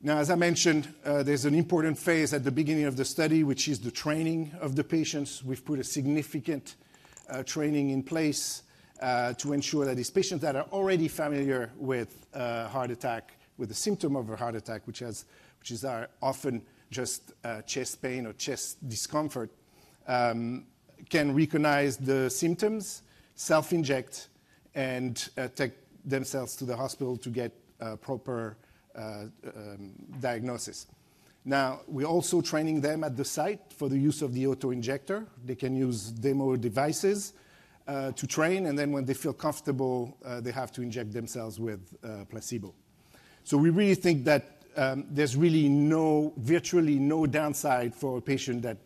Now, as I mentioned, there's an important phase at the beginning of the study, which is the training of the patients. We've put a significant, training in place, to ensure that these patients that are already familiar with heart attack, with the symptom of a heart attack, which is, which is, often just, chest pain or chest discomfort, can recognize the symptoms, self-inject, and, take themselves to the hospital to get a proper, diagnosis. Now, we're also training them at the site for the use of the auto-injector. They can use demo devices to train, and then when they feel comfortable, they have to inject themselves with placebo. So we really think that there's really no, virtually no downside for a patient that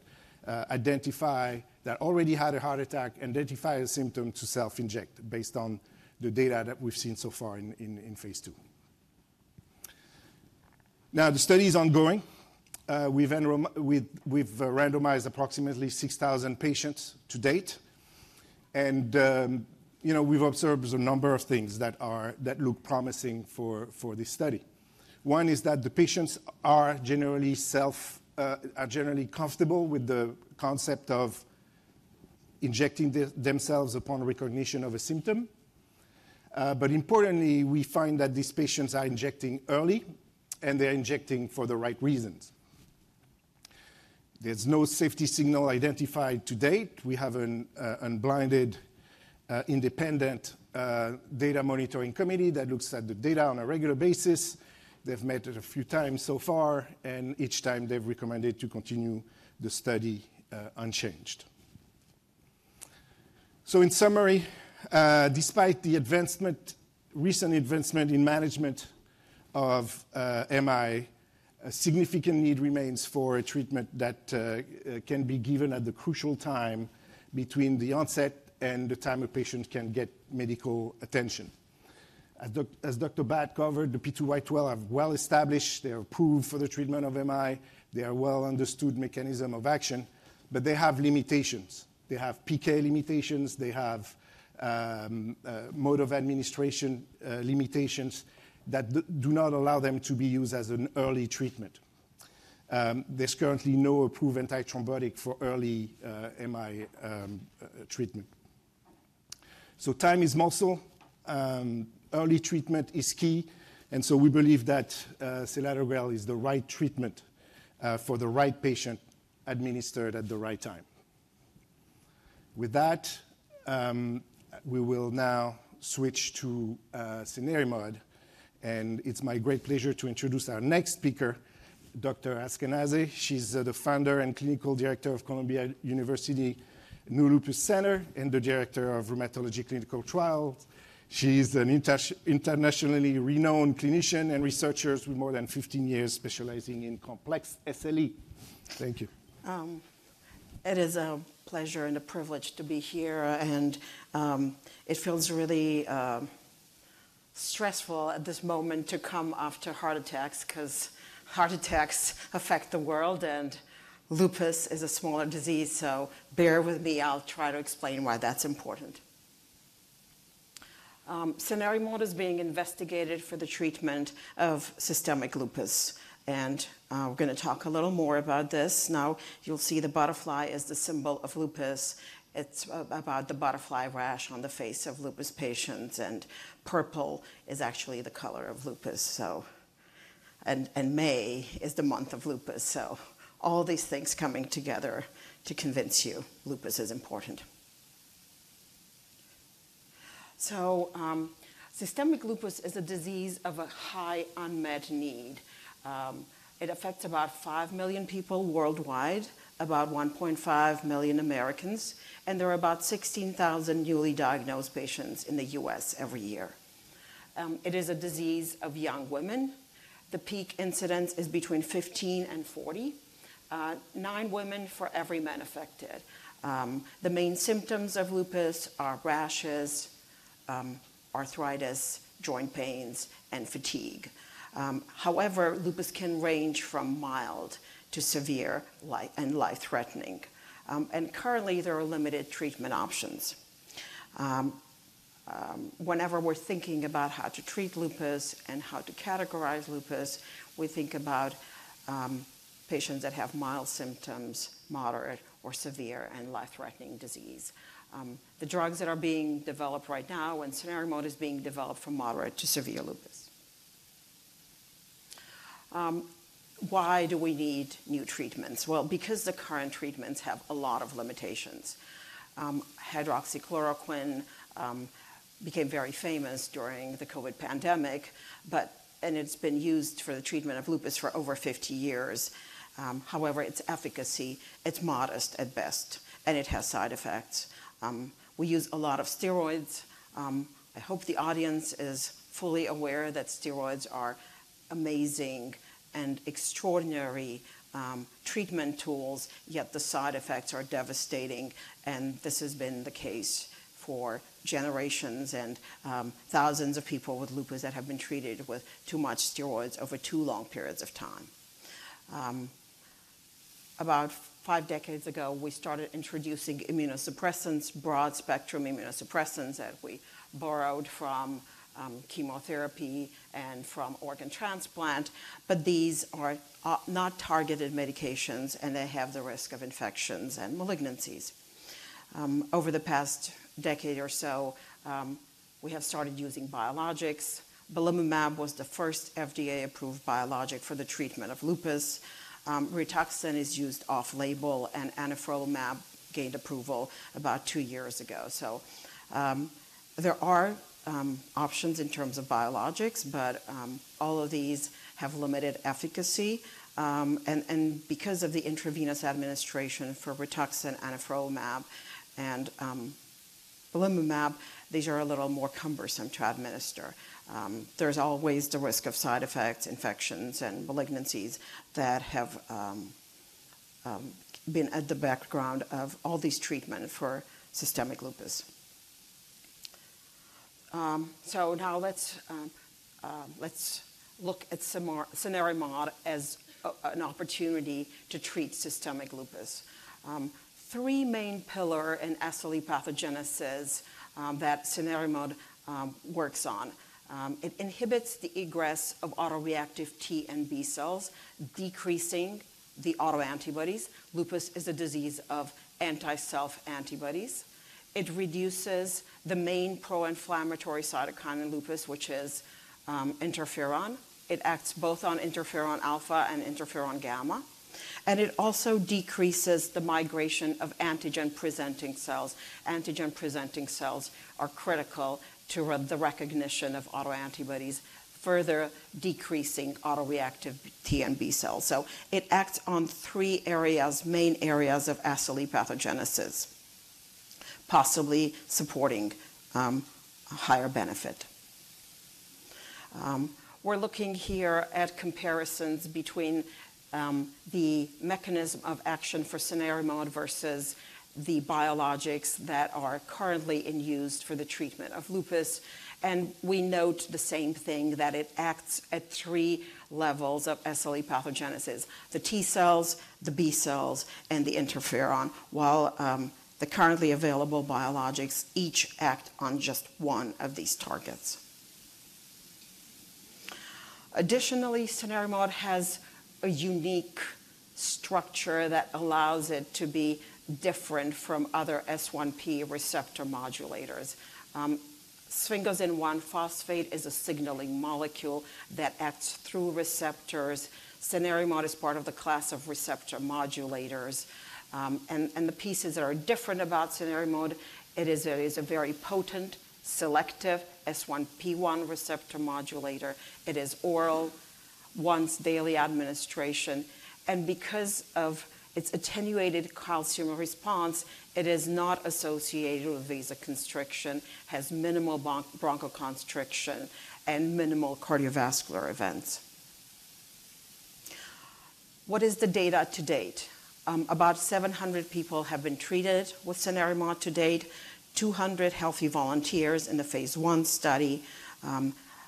already had a heart attack, identify a symptom to self-inject, based on the data that we've seen so far in phase II. Now, the study is ongoing. We've randomized approximately 6,000 patients to date and, you know, we've observed a number of things that look promising for this study. One is that the patients are generally comfortable with the concept of injecting themselves upon recognition of a symptom. But importantly, we find that these patients are injecting early, and they're injecting for the right reasons. There's no safety signal identified to date. We have an unblinded independent data monitoring committee that looks at the data on a regular basis. They've met a few times so far, and each time they've recommended to continue the study unchanged. So in summary, despite the recent advancement in management of MI, a significant need remains for a treatment that can be given at the crucial time between the onset and the time a patient can get medical attention. As Dr. Bhatt covered, the P2Y12 have well established, they're approved for the treatment of MI, they are well understood mechanism of action, but they have limitations. They have PK limitations, they have mode of administration limitations that do not allow them to be used as an early treatment. There's currently no approved antithrombotic for early, MI, treatment. So time is muscle. Early treatment is key, and so we believe that, selatogrel is the right treatment, for the right patient, administered at the right time. With that, we will now switch to, cenerimod, and it's my great pleasure to introduce our next speaker, Dr. Anca Askanase. She's the founder and clinical director of Columbia University Lupus Center, and the director of Rheumatology Clinical Trials. She's an internationally renowned clinician and researcher with more than 1five years specializing in complex SLE. Thank you. It is a pleasure and a privilege to be here, and it feels really stressful at this moment to come after heart attacks, 'cause heart attacks affect the world, and lupus is a smaller disease, so bear with me. I'll try to explain why that's important. cenerimod is being investigated for the treatment of systemic lupus, and we're gonna talk a little more about this. Now, you'll see the butterfly is the symbol of lupus. It's about the butterfly rash on the face of lupus patients, and purple is actually the color of lupus, so and May is the month of lupus, so all these things coming together to convince you lupus is important. Systemic lupus is a disease of a high unmet need. It affects about five million people worldwide, about 1.5 million Americans, and there are about 16,000 newly diagnosed patients in the U.S. every year. It is a disease of young women. The peak incidence is between 15 and 40, 9 women for every man affected. The main symptoms of lupus are rashes, arthritis, joint pains, and fatigue. However, lupus can range from mild to severe and life-threatening. And currently, there are limited treatment options. Whenever we're thinking about how to treat lupus and how to categorize lupus, we think about patients that have mild symptoms, moderate or severe and life-threatening disease. The drugs that are being developed right now, and cenerimod is being developed for moderate to severe lupus. Why do we need new treatments? Well, because the current treatments have a lot of limitations. Hydroxychloroquine became very famous during the COVID pandemic, but and it's been used for the treatment of lupus for over 50 years. However, its efficacy, it's modest at best, and it has side effects. We use a lot of steroids. I hope the audience is fully aware that steroids are amazing and extraordinary treatment tools, yet the side effects are devastating, and this has been the case for generations and thousands of people with lupus that have been treated with too much steroids over too long periods of time. About five decades ago, we started introducing immunosuppressants, broad-spectrum immunosuppressants, that we borrowed from chemotherapy and from organ transplant, but these are not targeted medications, and they have the risk of infections and malignancies. Over the past decade or so, we have started using biologics. Belimumab was the first FDA-approved biologic for the treatment of lupus. Rituxan is used off-label, and anifrolumab gained approval about two years ago. There are options in terms of biologics, but all of these have limited efficacy, and because of the intravenous administration for Rituxan, anifrolumab, and belimumab, these are a little more cumbersome to administer. There's always the risk of side effects, infections, and malignancies that have been at the background of all these treatment for systemic lupus. So now let's look at cenerimod as an opportunity to treat systemic lupus. Three main pillar in SLE pathogenesis that cenerimod works on: It inhibits the egress of autoreactive T and B cells, decreasing the autoantibodies. Lupus is a disease of anti-self antibodies. It reduces the main pro-inflammatory cytokine in lupus, which is interferon. It acts both on interferon alpha and interferon gamma, and it also decreases the migration of antigen-presenting cells. Antigen-presenting cells are critical to the recognition of autoantibodies, further decreasing autoreactive T and B cells. So it acts on three areas, main areas of SLE pathogenesis, possibly supporting a higher benefit. We're looking here at comparisons between the mechanism of action for cenerimod versus the biologics that are currently in use for the treatment of lupus, and we note the same thing, that it acts at three levels of SLE pathogenesis: the T cells, the B cells, and the interferon, while the currently available biologics each act on just one of these targets. Additionally, cenerimod has a unique structure that allows it to be different from other S1P receptor modulators. Sphingosine-1-phosphate is a signaling molecule that acts through receptors. cenerimod is part of the class of receptor modulators. The pieces that are different about cenerimod, it is a very potent, selective S1P1 receptor modulator. It is oral once daily administration, and because of its attenuated calcium response, it is not associated with vasoconstriction, has minimal bronchoconstriction, and minimal cardiovascular events. What is the data to date? About 700 people have been treated with cenerimod to date. 200 healthy volunteers in the phase I study,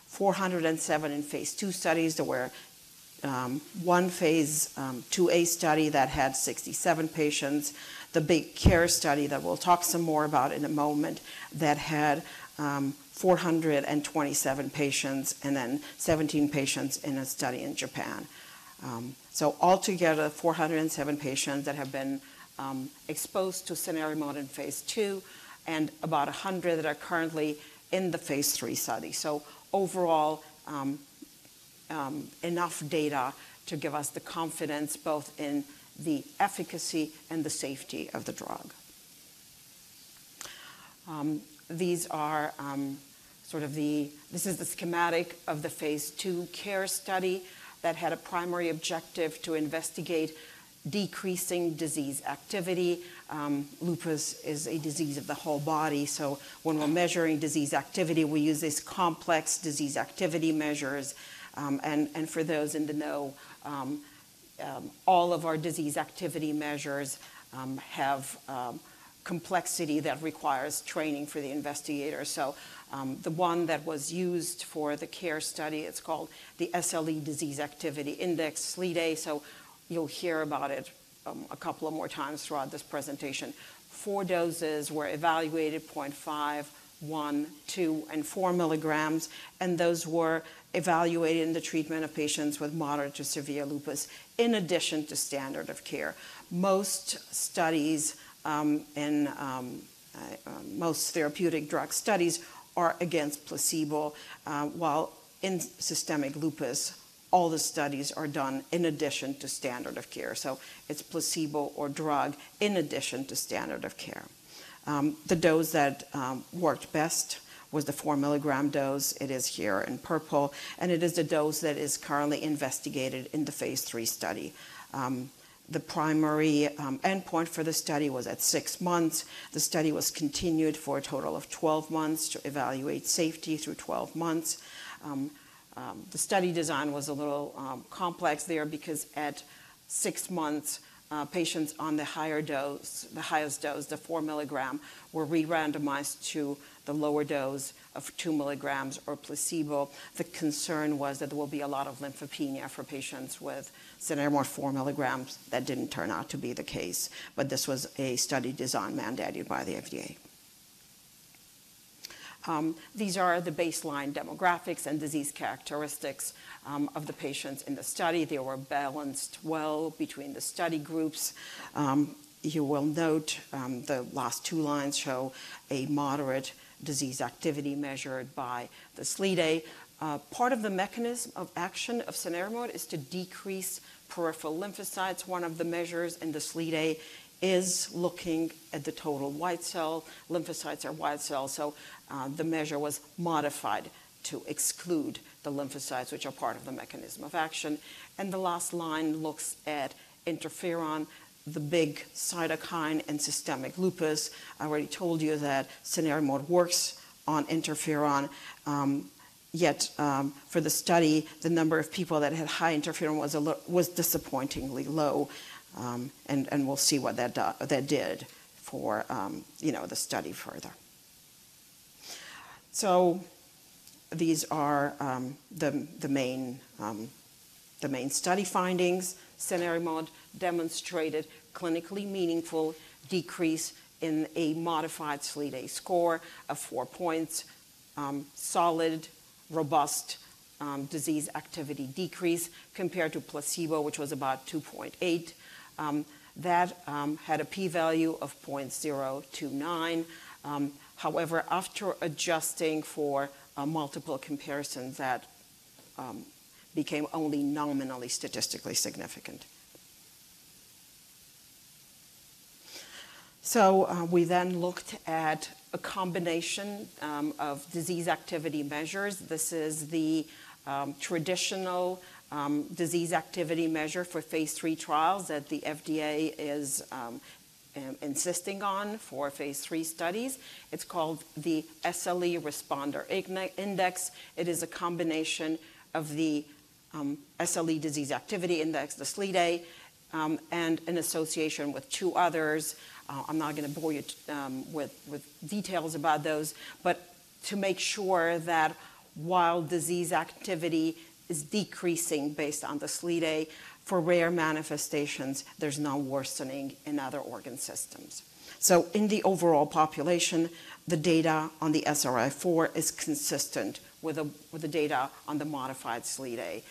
407 in phase II studies. There were one phase IIa study that had 67 patients, the CARE study that we'll talk some more about in a moment, that had 427 patients, and then 17 patients in a study in Japan. So altogether, 407 patients that have been exposed to cenerimod in phase II, and about 100 that are currently in the phase III study. So overall, enough data to give us the confidence both in the efficacy and the safety of the drug. These are sort of the This is the schematic of the phase II CARE study that had a primary objective to investigate decreasing disease activity. Lupus is a disease of the whole body, so when we're measuring disease activity, we use these complex disease activity measures. For those in the know, all of our disease activity measures have complexity that requires training for the investigator. So, the one that was used for the CARE study, it's called the SLE Disease Activity Index, SLEDAI, so you'll hear about it a couple of more times throughout this presentation. Four doses were evaluated: 0.5, 1, 2, and 4 mg, and those were evaluated in the treatment of patients with moderate to severe lupus, in addition to standard of care. Most therapeutic drug studies are against placebo, while in systemic lupus, all the studies are done in addition to standard of care, so it's placebo or drug in addition to standard of care. The dose that worked best was the four miligram dose. It is here in purple, and it is the dose that is currently investigated in the phase III study. The primary endpoint for the study was at six months. The study was continued for a total of 12 months to evaluate safety through 12 months. The study design was a little complex there because at six months, patients on the higher dose, the highest dose, the 4 milligram, were re-randomized to the lower dose of 2 mg or placebo. The concern was that there will be a lot of lymphopenia for patients with cenerimod 4 mg. That didn't turn out to be the case, but this was a study design mandated by the FDA. These are the baseline demographics and disease characteristics of the patients in the study. They were balanced well between the study groups. You will note the last two lines show a moderate disease activity measured by the SLEDAI. Part of the mechanism of action of cenerimod is to decrease peripheral lymphocytes. One of the measures in the SLEDAI is looking at the total white cell. Lymphocytes are white cells, so the measure was modified to exclude the lymphocytes, which are part of the mechanism of action. The last line looks at interferon, the big cytokine in systemic lupus. I already told you that cenerimod works on interferon. Yet, for the study, the number of people that had high interferon was disappointingly low. We'll see what that did for, you know, the study further. So these are the main study findings. cenerimod demonstrated clinically meaningful decrease in a modified SLEDAI score of 4 points, solid, robust, disease activity decrease compared to placebo, which was about 2.8. That had a p-value of 0.029. However, after adjusting for multiple comparisons, that became only nominally statistically significant. So, we then looked at a combination of disease activity measures. This is the traditional disease activity measure for phase III trials that the FDA is insisting on for phase III studies. It's called the SLE Responder Index. It is a combination of the SLE disease activity index, the SLEDAI, and an association with two others. I'm not going to bore you with, with details about those, but to make sure that while disease activity is decreasing based on the SLEDAI, for rare manifestations, there's no worsening in other organ systems. So in the overall population, the data on the SRI-4 is consistent with the, with the data on the modified SLEDAI.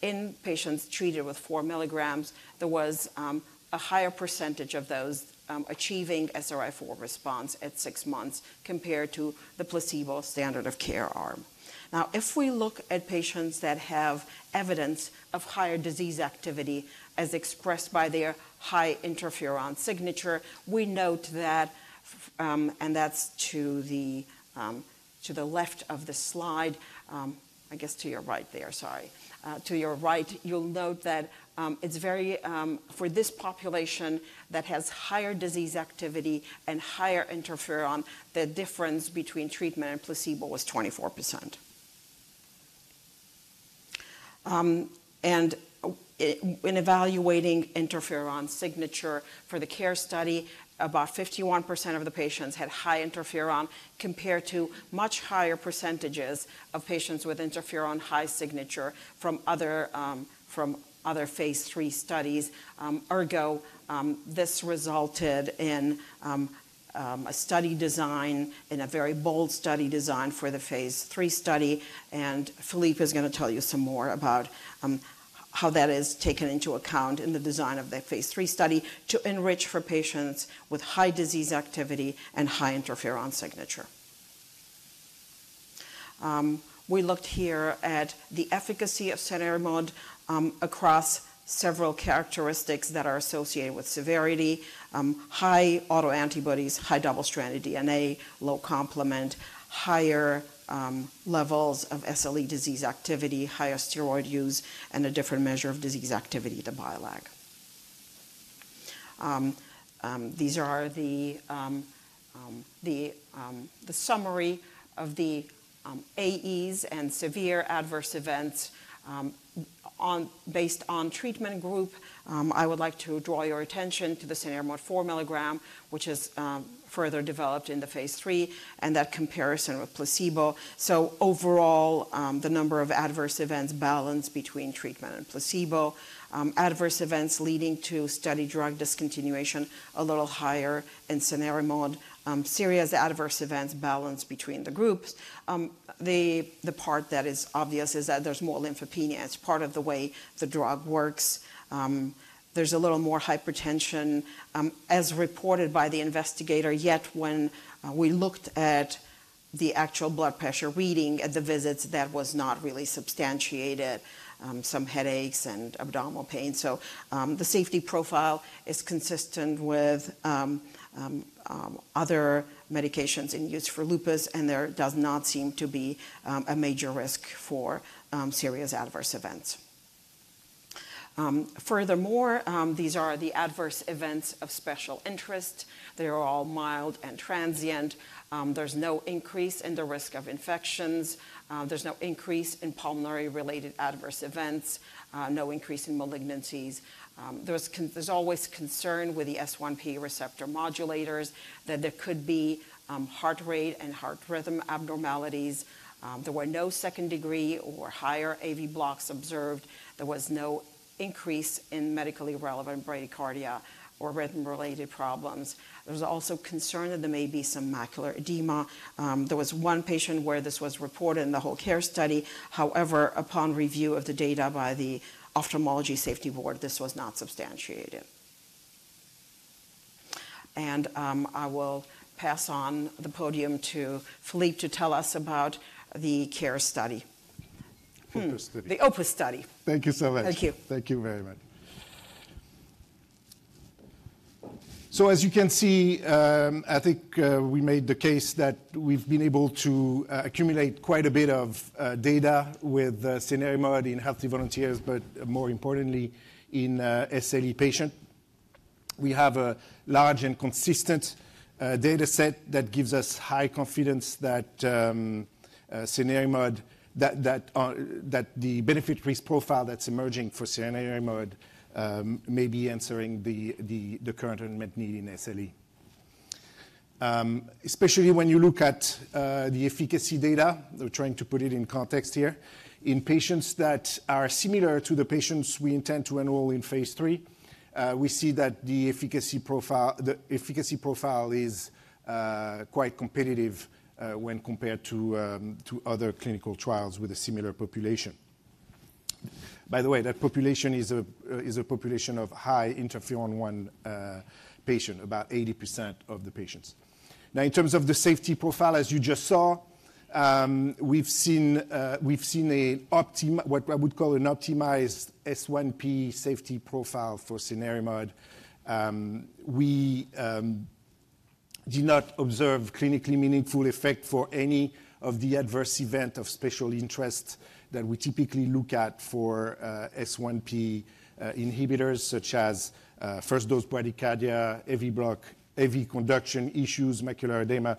In patients treated with 4 mg, there was a higher percentage of those achieving SRI-4 response at six months compared to the placebo standard of care arm. Now, if we look at patients that have evidence of higher disease activity, as expressed by their high interferon signature, we note that. And that's to the left of the slide, I guess to your right there, sorry. To your right, you'll note that it's very. For this population that has higher disease activity and higher interferon, the difference between treatment and placebo was 24%. In evaluating interferon signature for the CARE study, about 51% of the patients had high interferon, compared to much higher percentages of patients with interferon-high signature from other phase III studies. Ergo, this resulted in a very bold study design for the phase III study, and Philippe is going to tell you some more about how that is taken into account in the design of the phase III study to enrich for patients with high disease activity and high interferon signature. We looked here at the efficacy of cenerimod across several characteristics that are associated with severity: high autoantibodies, high double-stranded DNA, low complement, higher levels of SLE disease activity, high steroid use, and a different measure of disease activity, the BILAG. These are the summary of the AEs and severe adverse events based on treatment group. I would like to draw your attention to the cenerimod 4 mg, which is further developed in the phase III, and that comparison with placebo. So overall, the number of adverse events balance between treatment and placebo. Adverse events leading to study drug discontinuation, a little higher in cenerimod. Serious adverse events balance between the groups. The part that is obvious is that there's more lymphopenia. It's part of the way the drug works. There's a little more hypertension as reported by the investigator, yet when we looked at the actual blood pressure reading at the visits, that was not really substantiated. Some headaches and abdominal pain. So, the safety profile is consistent with other medications in use for lupus, and there does not seem to be a major risk for serious adverse events. Furthermore, these are the adverse events of special interest. They are all mild and transient. There's no increase in the risk of infections, there's no increase in pulmonary-related adverse events, no increase in malignancies. There's always concern with the S1P receptor modulators, that there could be heart rate and heart rhythm abnormalities. There were no second-degree or higher AV blocks observed. There was no increase in medically relevant bradycardia or rhythm-related problems. There was also concern that there may be some macular edema. There was one patient where this was reported in the whole CARE study. However, upon review of the data by the Ophthalmology Safety Board, this was not substantiated. And, I will pass on the podium to Philippe to tell us about the CARE study. OPUS study. The OPUS study. Thank you so much. Thank you. Thank you very much. So as you can see, I think, we made the case that we've been able to, accumulate quite a bit of, data with cenerimod in healthy volunteers, but more importantly, in SLE patients. We have a large and consistent, dataset that gives us high confidence that, cenerimod, that, that, that the benefit-risk profile that's emerging for cenerimod, may be answering the, the, the current unmet need in SLE. Especially when you look at, the efficacy data, we're trying to put it in context here. In patients that are similar to the patients we intend to enroll in phase III, we see that the efficacy profile, the efficacy profile is, quite competitive, when compared to, to other clinical trials with a similar population. By the way, that population is a population of high interferon signature patient, about 80% of the patients. Now, in terms of the safety profile, as you just saw, we've seen an optimized S1P safety profile for cenerimod. We did not observe clinically meaningful effect for any of the adverse event of special interest that we typically look at for S1P inhibitors, such as first dose bradycardia, AV block, AV conduction issues, macular edema,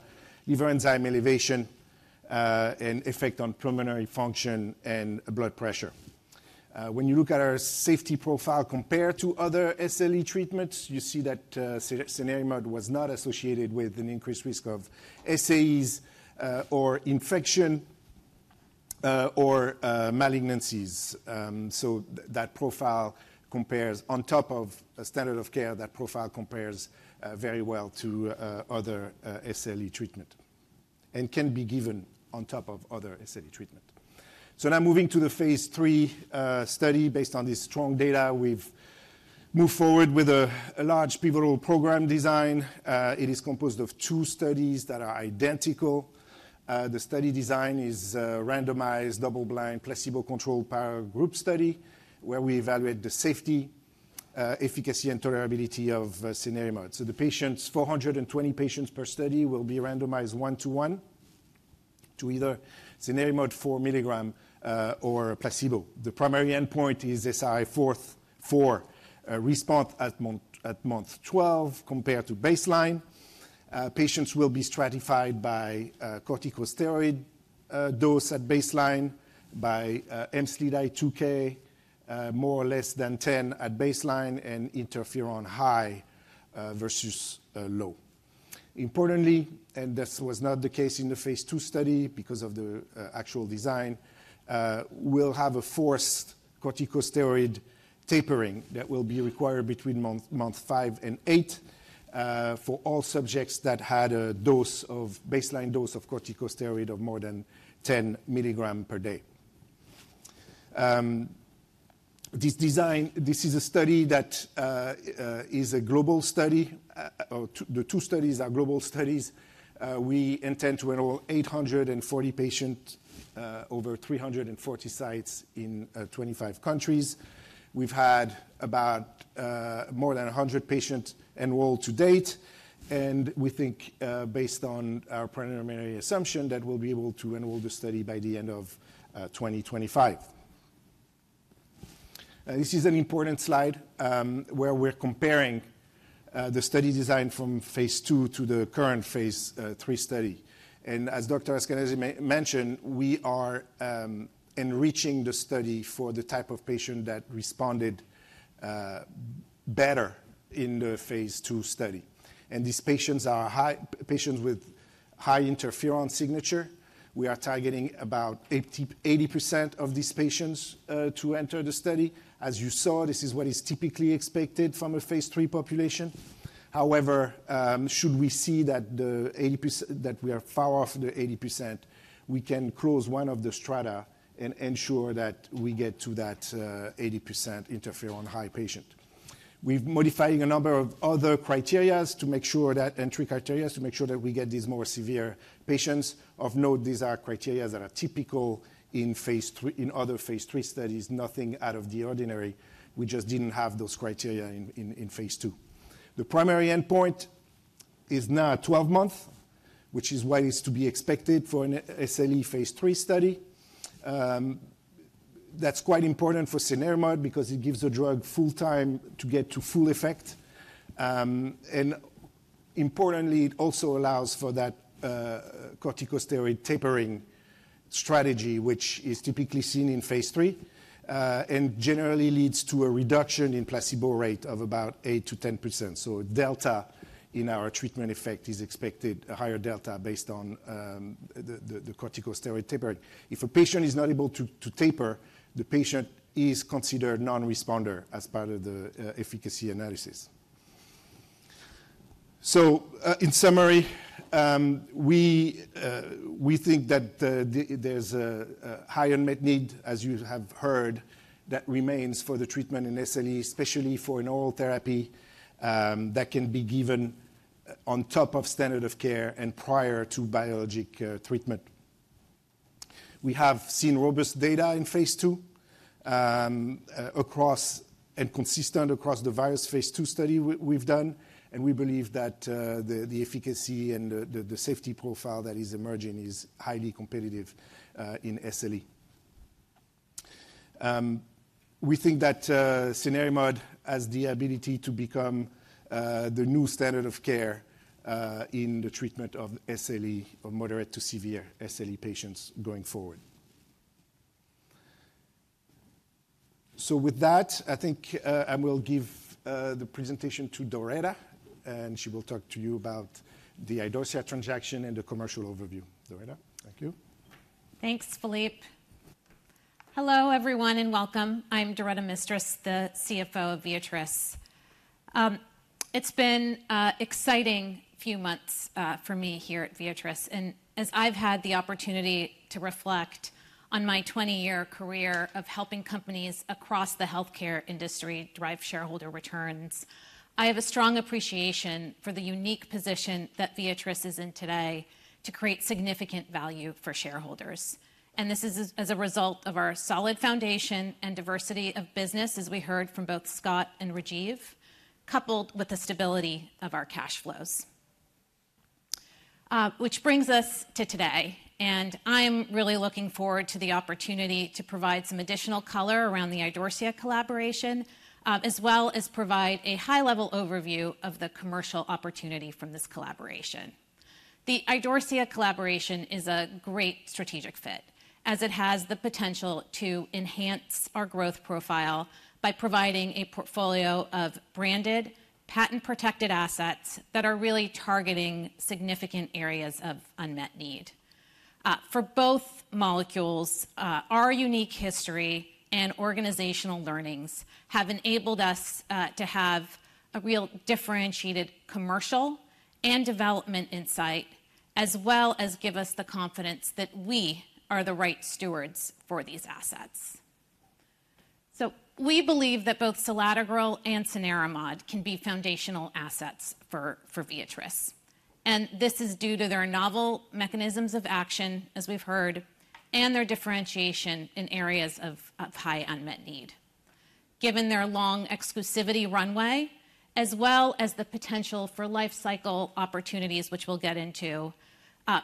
liver enzyme elevation, and effect on pulmonary function and blood pressure. When you look at our safety profile compared to other SLE treatments, you see that cenerimod was not associated with an increased risk of SAEs, or infection, or malignancies. So that profile compares on top of a standard of care. That profile compares very well to other SLE treatment and can be given on top of other SLE treatment. So now moving to the phase III study. Based on this strong data, we've moved forward with a large pivotal program design. It is composed of two studies that are identical. The study design is a randomized, double-blind, placebo-controlled parallel group study, where we evaluate the safety, efficacy, and tolerability of cenerimod. So the patients, 420 patients per study, will be randomized 1:1 to either cenerimod 4 milligram or placebo. The primary endpoint is SRI-4 response at month 12 compared to baseline. Patients will be stratified by corticosteroid dose at baseline, by anti-dsDNA more or less than 10 at baseline, and interferon high versus low. Importantly, and this was not the case in the phase II study because of the actual design, we'll have a forced corticosteroid tapering that will be required between month 5 and 8 for all subjects that had a dose of baseline dose of corticosteroid of more than 10 mg per day. This design. This is a study that is a global study. The two studies are global studies. We intend to enroll 840 patients over 340 sites in 25 countries. We've had about, more than 100 patients enrolled to date, and we think, based on our preliminary assumption, that we'll be able to enroll the study by the end of 2025. This is an important slide, where we're comparing the study design from phase II to the current phase III study. As Dr. Askanase mentioned, we are enriching the study for the type of patient that responded better in the phase II study. These patients are patients with high interferon signature. We are targeting about 80, 80% of these patients to enter the study. As you saw, this is what is typically expected from a phase III population. However, should we see that we are far off the 80%, we can close one of the strata and ensure that we get to that 80% interferon high patient. We've modifying a number of other criteria to make sure that entry criteria, to make sure that we get these more severe patients. Of note, these are criteria that are typical in phase III, in other phase III studies, nothing out of the ordinary. We just didn't have those criteria in phase II. The primary endpoint is now at 12 months, which is what is to be expected for an SLE phase III study. That's quite important for cenerimod because it gives the drug full time to get to full effect. Importantly, it also allows for that, corticosteroid tapering strategy, which is typically seen in Phase III, and generally leads to a reduction in placebo rate of about 8%-10%. So delta in our treatment effect is expected, a higher delta based on the corticosteroid taper. If a patient is not able to taper, the patient is considered non-responder as part of the efficacy analysis. So, in summary, we think that there's a high unmet need, as you have heard, that remains for the treatment in SLE, especially for an oral therapy, that can be given on top of standard of care and prior to biologic treatment. We have seen robust data in phase II, across and consistent across the various phase II study we've done, and we believe that, the safety profile that is emerging is highly competitive, in SLE. We think that, cenerimod has the ability to become, the new standard of care, in the treatment of SLE, of moderate to severe SLE patients going forward. So with that, I think, I will give, the presentation to Doretta, and she will talk to you about the Idorsia transaction and the commercial overview. Doretta, thank you. Thanks, Philippe. Hello everyone, and welcome. I'm Doretta Mistras, the CFO of Viatris. It's been a exciting few months for me here at Viatris, and as I've had the opportunity to reflect on my 20-year career of helping companies across the healthcare industry drive shareholder returns, I have a strong appreciation for the unique position that Viatris is in today to create significant value for shareholders. This is as a result of our solid foundation and diversity of business, as we heard from both Scott and Rajiv, coupled with the stability of our cash flows. Which brings us to today, and I'm really looking forward to the opportunity to provide some additional color around the Idorsia collaboration, as well as provide a high-level overview of the commercial opportunity from this collaboration. The Idorsia collaboration is a great strategic fit, as it has the potential to enhance our growth profile by providing a portfolio of branded, patent-protected assets that are really targeting significant areas of unmet need. For both molecules, our unique history and organizational learnings have enabled us to have a real differentiated commercial and development insight, as well as give us the confidence that we are the right stewards for these assets. So we believe that both selatogrel and cenerimod can be foundational assets for Viatris, and this is due to their novel mechanisms of action, as we've heard, and their differentiation in areas of high unmet need. Given their long exclusivity runway, as well as the potential for life cycle opportunities, which we'll get into,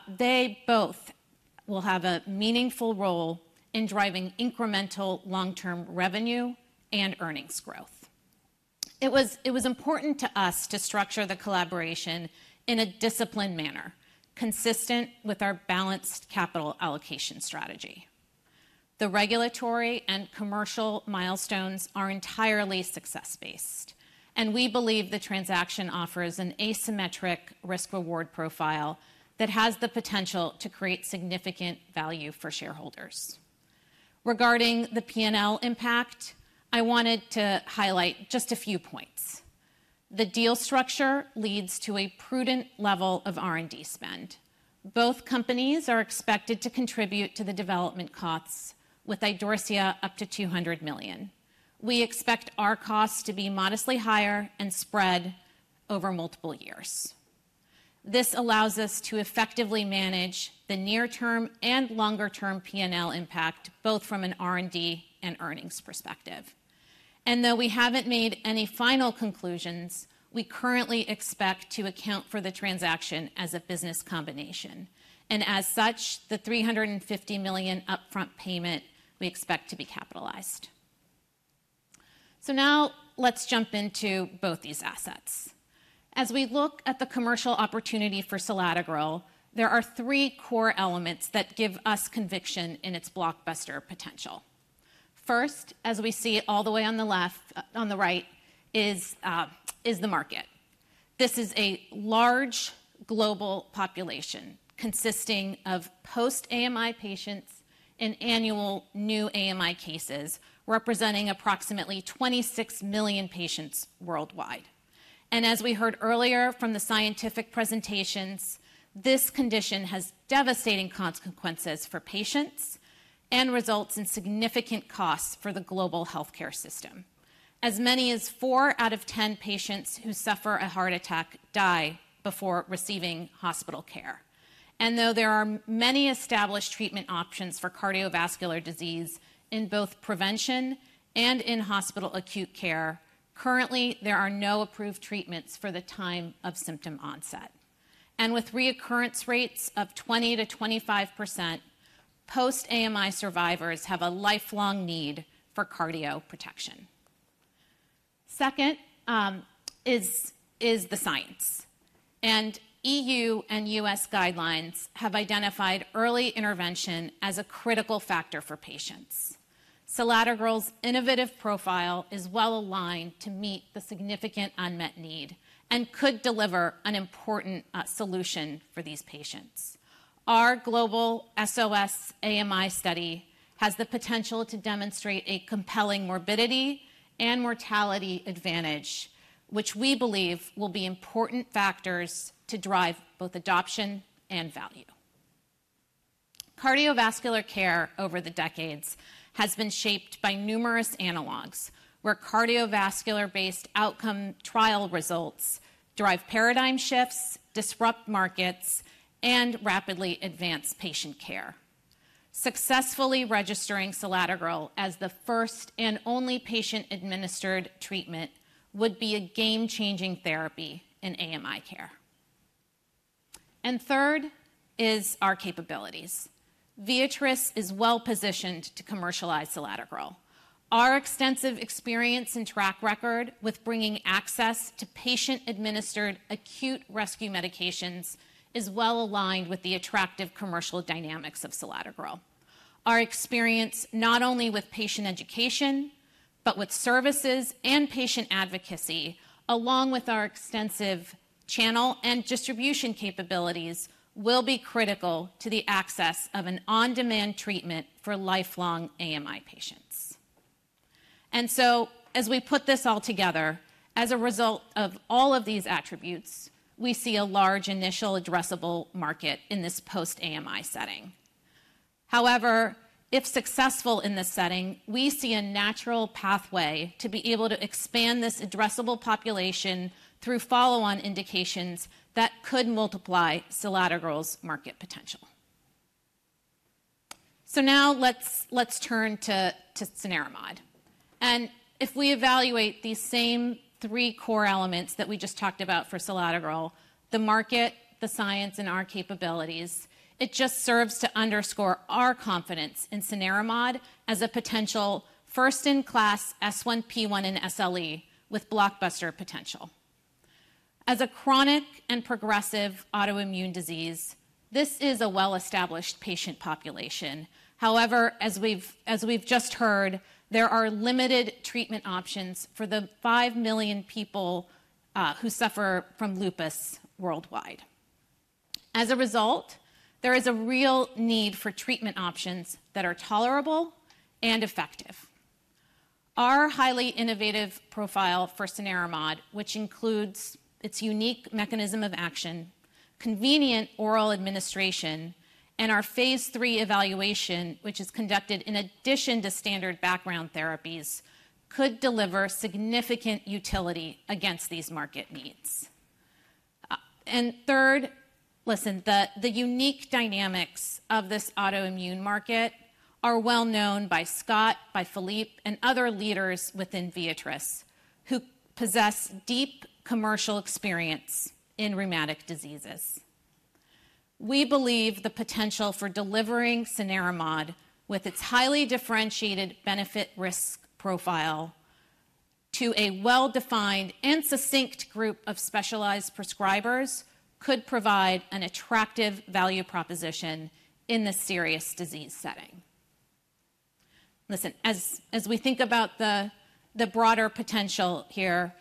they both will have a meaningful role in driving incremental long-term revenue and earnings growth. It was important to us to structure the collaboration in a disciplined manner, consistent with our balanced capital allocation strategy. The regulatory and commercial milestones are entirely success-based, and we believe the transaction offers an asymmetric risk-reward profile that has the potential to create significant value for shareholders. Regarding the P&L impact, I wanted to highlight just a few points. The deal structure leads to a prudent level of R&D spend. Both companies are expected to contribute to the development costs, with Idorsia up to $200 million. We expect our costs to be modestly higher and spread over multiple years. This allows us to effectively manage the near term and longer-term P&L impact, both from an R&D and earnings perspective. Though we haven't made any final conclusions, we currently expect to account for the transaction as a business combination, and as such, the $350 million upfront payment we expect to be capitalized. So now let's jump into both these assets. As we look at the commercial opportunity for selatogrel, there are three core elements that give us conviction in its blockbuster potential. First, as we see all the way on the left, on the right, is the market. This is a large global population consisting of post-AMI patients and annual new AMI cases, representing approximately 26 million patients worldwide. And as we heard earlier from the scientific presentations, this condition has devastating consequences for patients and results in significant costs for the global healthcare system. As many as four out of ten patients who suffer a heart attack die before receiving hospital care. Though there are many established treatment options for cardiovascular disease in both prevention and in-hospital acute care, currently, there are no approved treatments for the time of symptom onset, and with reoccurrence rates of 20%-25%, post-AMI survivors have a lifelong need for cardio protection. Second, is the science, and EU and US guidelines have identified early intervention as a critical factor for patients. selatogrel's innovative profile is well aligned to meet the significant unmet need and could deliver an important solution for these patients. Our global SOS-AMI study has the potential to demonstrate a compelling morbidity and mortality advantage, which we believe will be important factors to drive both adoption and value. Cardiovascular care over the decades has been shaped by numerous analogs, where cardiovascular-based outcome trial results drive paradigm shifts, disrupt markets, and rapidly advance patient care. Successfully registering selatogrel as the first and only patient-administered treatment would be a game-changing therapy in AMI care. And third is our capabilities. Viatris is well-positioned to commercialize selatogrel. Our extensive experience and track record with bringing access to patient-administered acute rescue medications is well aligned with the attractive commercial dynamics of selatogrel. Our experience, not only with patient education, but with services and patient advocacy, along with our extensive channel and distribution capabilities, will be critical to the access of an on-demand treatment for lifelong AMI patients. And so as we put this all together, as a result of all of these attributes, we see a large initial addressable market in this post-AMI setting. However, if successful in this setting, we see a natural pathway to be able to expand this addressable population through follow-on indications that could multiply selatogrel's market potential. So now let's turn to cenerimod. If we evaluate these same three core elements that we just talked about for selatogrel, the market, the science, and our capabilities, it just serves to underscore our confidence in cenerimod as a potential first-in-class S1P1 and SLE with blockbuster potential. As a chronic and progressive autoimmune disease, this is a well-established patient population. However, as we've just heard, there are limited treatment options for the five million people who suffer from lupus worldwide. As a result, there is a real need for treatment options that are tolerable and effective. Our highly innovative profile for cenerimod, which includes its unique mechanism of action, convenient oral administration, and our phase three evaluation, which is conducted in addition to standard background therapies, could deliver significant utility against these market needs. And third, listen, the unique dynamics of this autoimmune market are well known by Scott, by Philippe, and other leaders within Viatris, who possess deep commercial experience in rheumatic diseases. We believe the potential for delivering cenerimod, with its highly differentiated benefit-risk profile to a well-defined and succinct group of specialized prescribers, could provide an attractive value proposition in this serious disease setting. Listen, as we think about the broader potential here,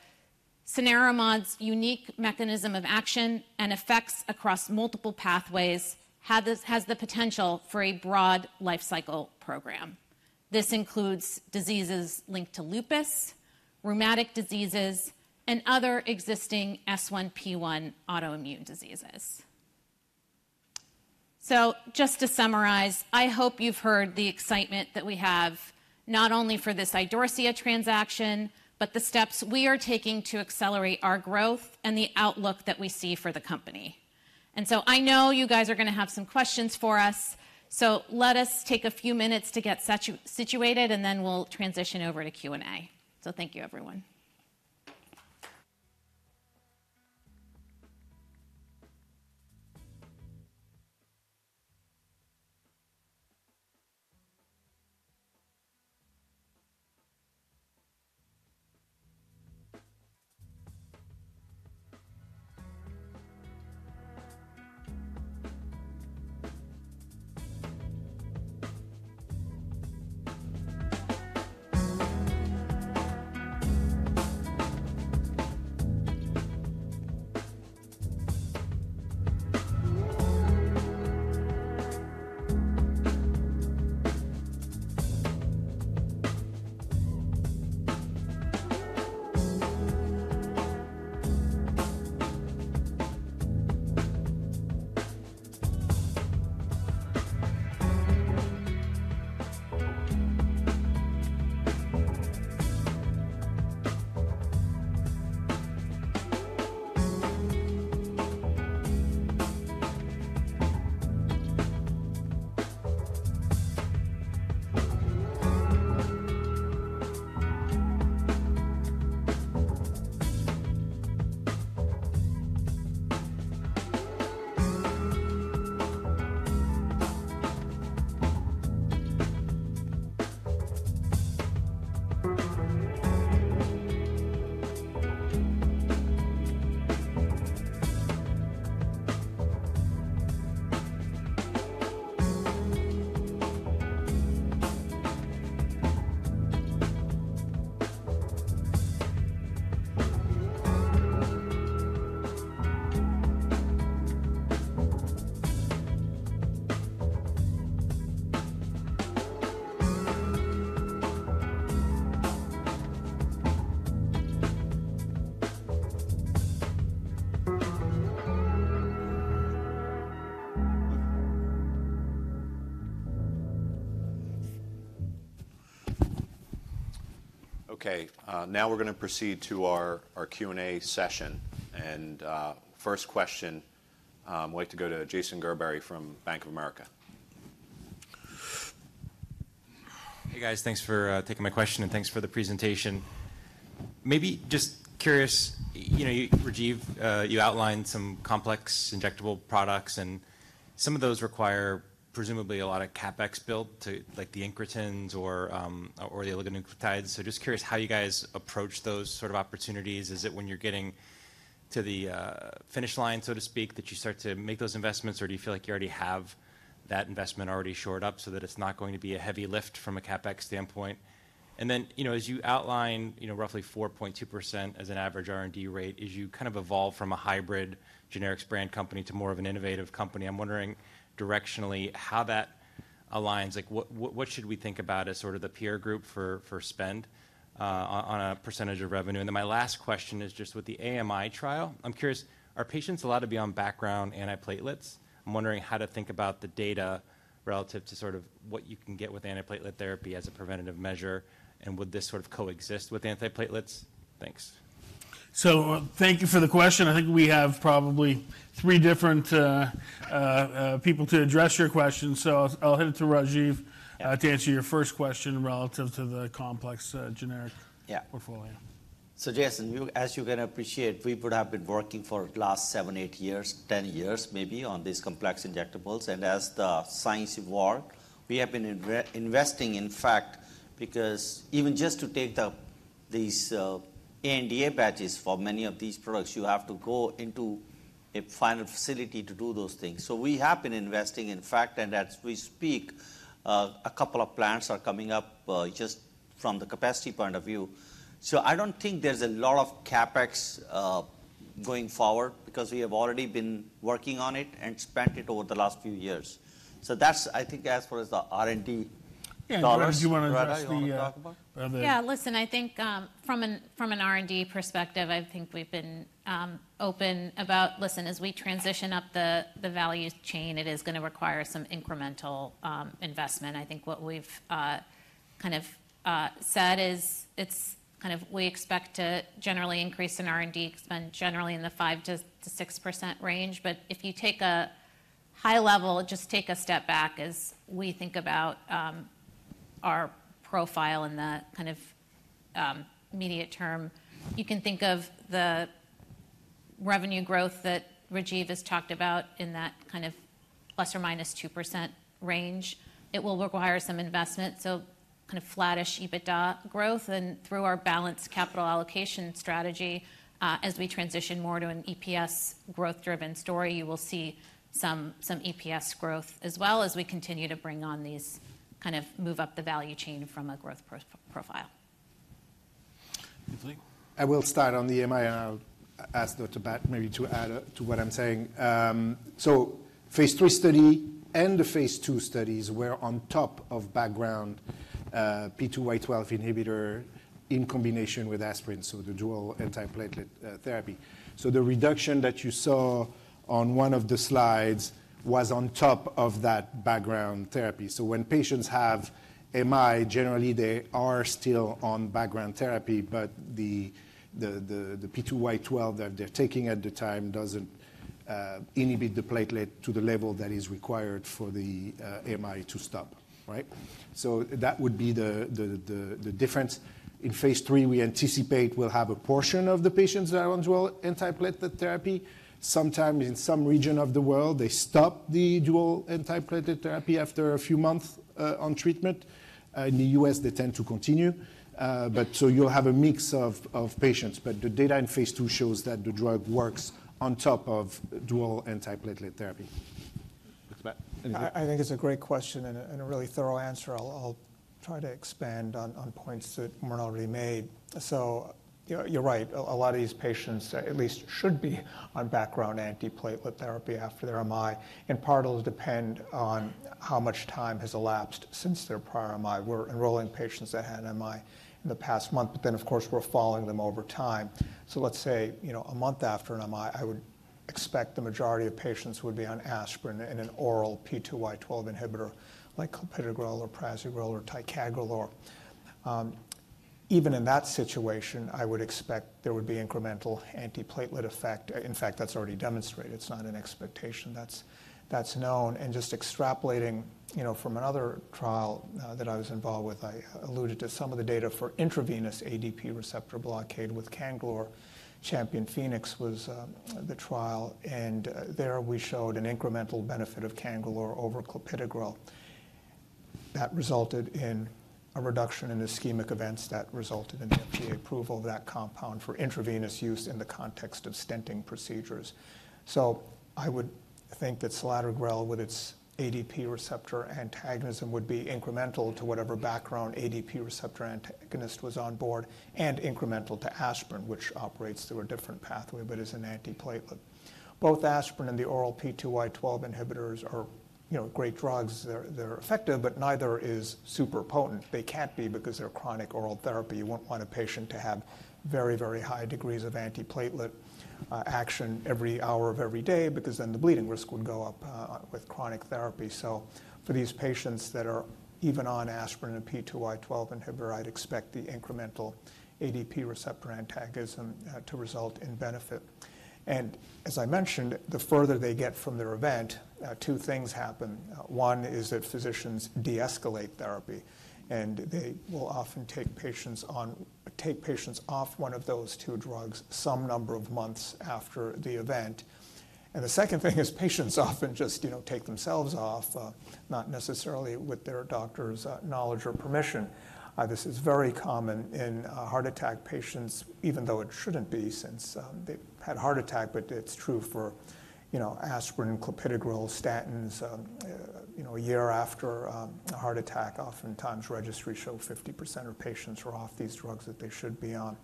cenerimod's unique mechanism of action and effects across multiple pathways has the potential for a broad lifecycle program. This includes diseases linked to lupus, rheumatic diseases, and other existing S1P1 autoimmune diseases. So just to summarize, I hope you've heard the excitement that we have, not only for this Idorsia transaction, but the steps we are taking to accelerate our growth and the outlook that we see for the company. So I know you guys are gonna have some questions for us, so let us take a few minutes to get situated, and then we'll transition over to Q&A. So thank you, everyone. Okay, now we're gonna proceed to our Q&A session. First question, we'd like to go to Jason Gerberry from Bank of America. Hey, guys, thanks for taking my question, and thanks for the presentation. Maybe just curious, you know, Rajiv, you outlined some complex injectable products, and some of those require presumably a lot of CapEx build to like the incretins or or the oligonucleotides. So just curious how you guys approach those sort of opportunities. Is it when you're getting to the finish line, so to speak, that you start to make those investments, or do you feel like you already have that investment already shored up so that it's not going to be a heavy lift from a CapEx standpoint? And then, you know, as you outline, you know, roughly 4.2% as an average R&D rate, as you kind of evolve from a hybrid generics brand company to more of an innovative company, I'm wondering directionally how that aligns. Like, what, what should we think about as sort of the peer group for, for spend, on a percentage of revenue? And then my last question is just with the AMI trial. I'm curious, are patients allowed to be on background antiplatelets? I'm wondering how to think about the data relative to sort of what you can get with antiplatelet therapy as a preventative measure, and would this sort of coexist with antiplatelets? Thanks. Thank you for the question. I think we have probably three different people to address your question, so I'll hand it to Rajiv to answer your first question relative to the complex generic- Yeah. portfolio. So, Jason, as you can appreciate, we would have been working for last 7, 8 years, 10 years, maybe, on these complex injectables. And as the science evolved, we have been investing, in fact, because even just to take these ANDA batches for many of these products, you have to go into a final facility to do those things. So we have been investing, in fact, and as we speak, a couple of plants are coming up, just from the capacity point of view. So I don't think there's a lot of CapEx going forward because we have already been working on it and spent it over the last few years. So that's, I think, as far as the R&D dollars Yeah, do you want to address the You want to talk about? Yeah, listen, I think from an R&D perspective, I think we've been open about listen, as we transition up the value chain, it is gonna require some incremental investment. I think what we've kind of said is, it's kind of we expect to generally increase in R&D spend generally in the 5%-6% range. But if you take a high level, just take a step back as we think about our profile in the kind of immediate term, you can think of the revenue growth that Rajiv has talked about in that kind of ±2% range. It will require some investment, so kind of flattish EBITDA growth and through our balanced capital allocation strategy, as we transition more to an EPS growth-driven story, you will see some EPS growth as well as we continue to bring on these kind of move up the value chain from a growth profile. Philippe? I will start on the MI, and I'll ask Dr. Bhatt maybe to add to what I'm saying. So phase III study and the phase II studies were on top of background P2Y12 inhibitor in combination with aspirin, so the dual antiplatelet therapy. So the reduction that you saw on one of the slides was on top of that background therapy. So when patients have MI, generally, they are still on background therapy, but the P2Y12 that they're taking at the time doesn't inhibit the platelet to the level that is required for the MI to stop, right? So that would be the difference. In phase III, we anticipate we'll have a portion of the patients that are on dual antiplatelet therapy. Sometime in some region of the world, they stop the dual antiplatelet therapy after a few months on treatment. In the U.S., they tend to continue, but so you'll have a mix of patients. But the data in phase II shows that the drug works on top of dual antiplatelet therapy. Dr. Bhatt, anything? I think it's a great question and a really thorough answer. I'll try to expand on points that were already made. So you're right. A lot of these patients at least should be on background antiplatelet therapy after their MI, and part will depend on how much time has elapsed since their prior MI. We're enrolling patients that had MI in the past month, but then, of course, we're following them over time. So let's say, you know, a month after an MI, I would expect the majority of patients would be on Aspirin and an oral P2Y12 inhibitor like clopidogrel or prasugrel or ticagrelor. Even in that situation, I would expect there would be incremental antiplatelet effect. In fact, that's already demonstrated. It's not an expectation. That's known. Just extrapolating, you know, from another trial that I was involved with, I alluded to some of the data for intravenous ADP receptor blockade with Cangrelor. Champion Phoenix was the trial, and there we showed an incremental benefit of Cangrelor over clopidogrel. That resulted in a reduction in ischemic events that resulted in the FDA approval of that compound for intravenous use in the context of stenting procedures. So I would think that selatogrel, with its ADP receptor antagonism, would be incremental to whatever background ADP receptor antagonist was on board and incremental to aspirin, which operates through a different pathway but is an antiplatelet. Both aspirin and the oral P2Y12 inhibitors are, you know, great drugs. They're, they're effective, but neither is super potent. They can't be because they're chronic oral therapy. You won't want a patient to have very, very high degrees of antiplatelet- Action every hour of every day, because then the bleeding risk would go up with chronic therapy. So for these patients that are even on aspirin and P2Y12 inhibitor, I'd expect the incremental ADP receptor antagonism to result in benefit. And as I mentioned, the further they get from their event, two things happen: one is that physicians de-escalate therapy, and they will often take patients off one of those two drugs some number of months after the event. And the second thing is patients often just, you know, take themselves off, not necessarily with their doctor's knowledge or permission. This is very common in heart attack patients, even though it shouldn't be, since they've had a heart attack, but it's true for, you know, aspirin, clopidogrel, statins. You know, a year after a heart attack, oftentimes registries show 50% of patients are off these drugs that they should be on.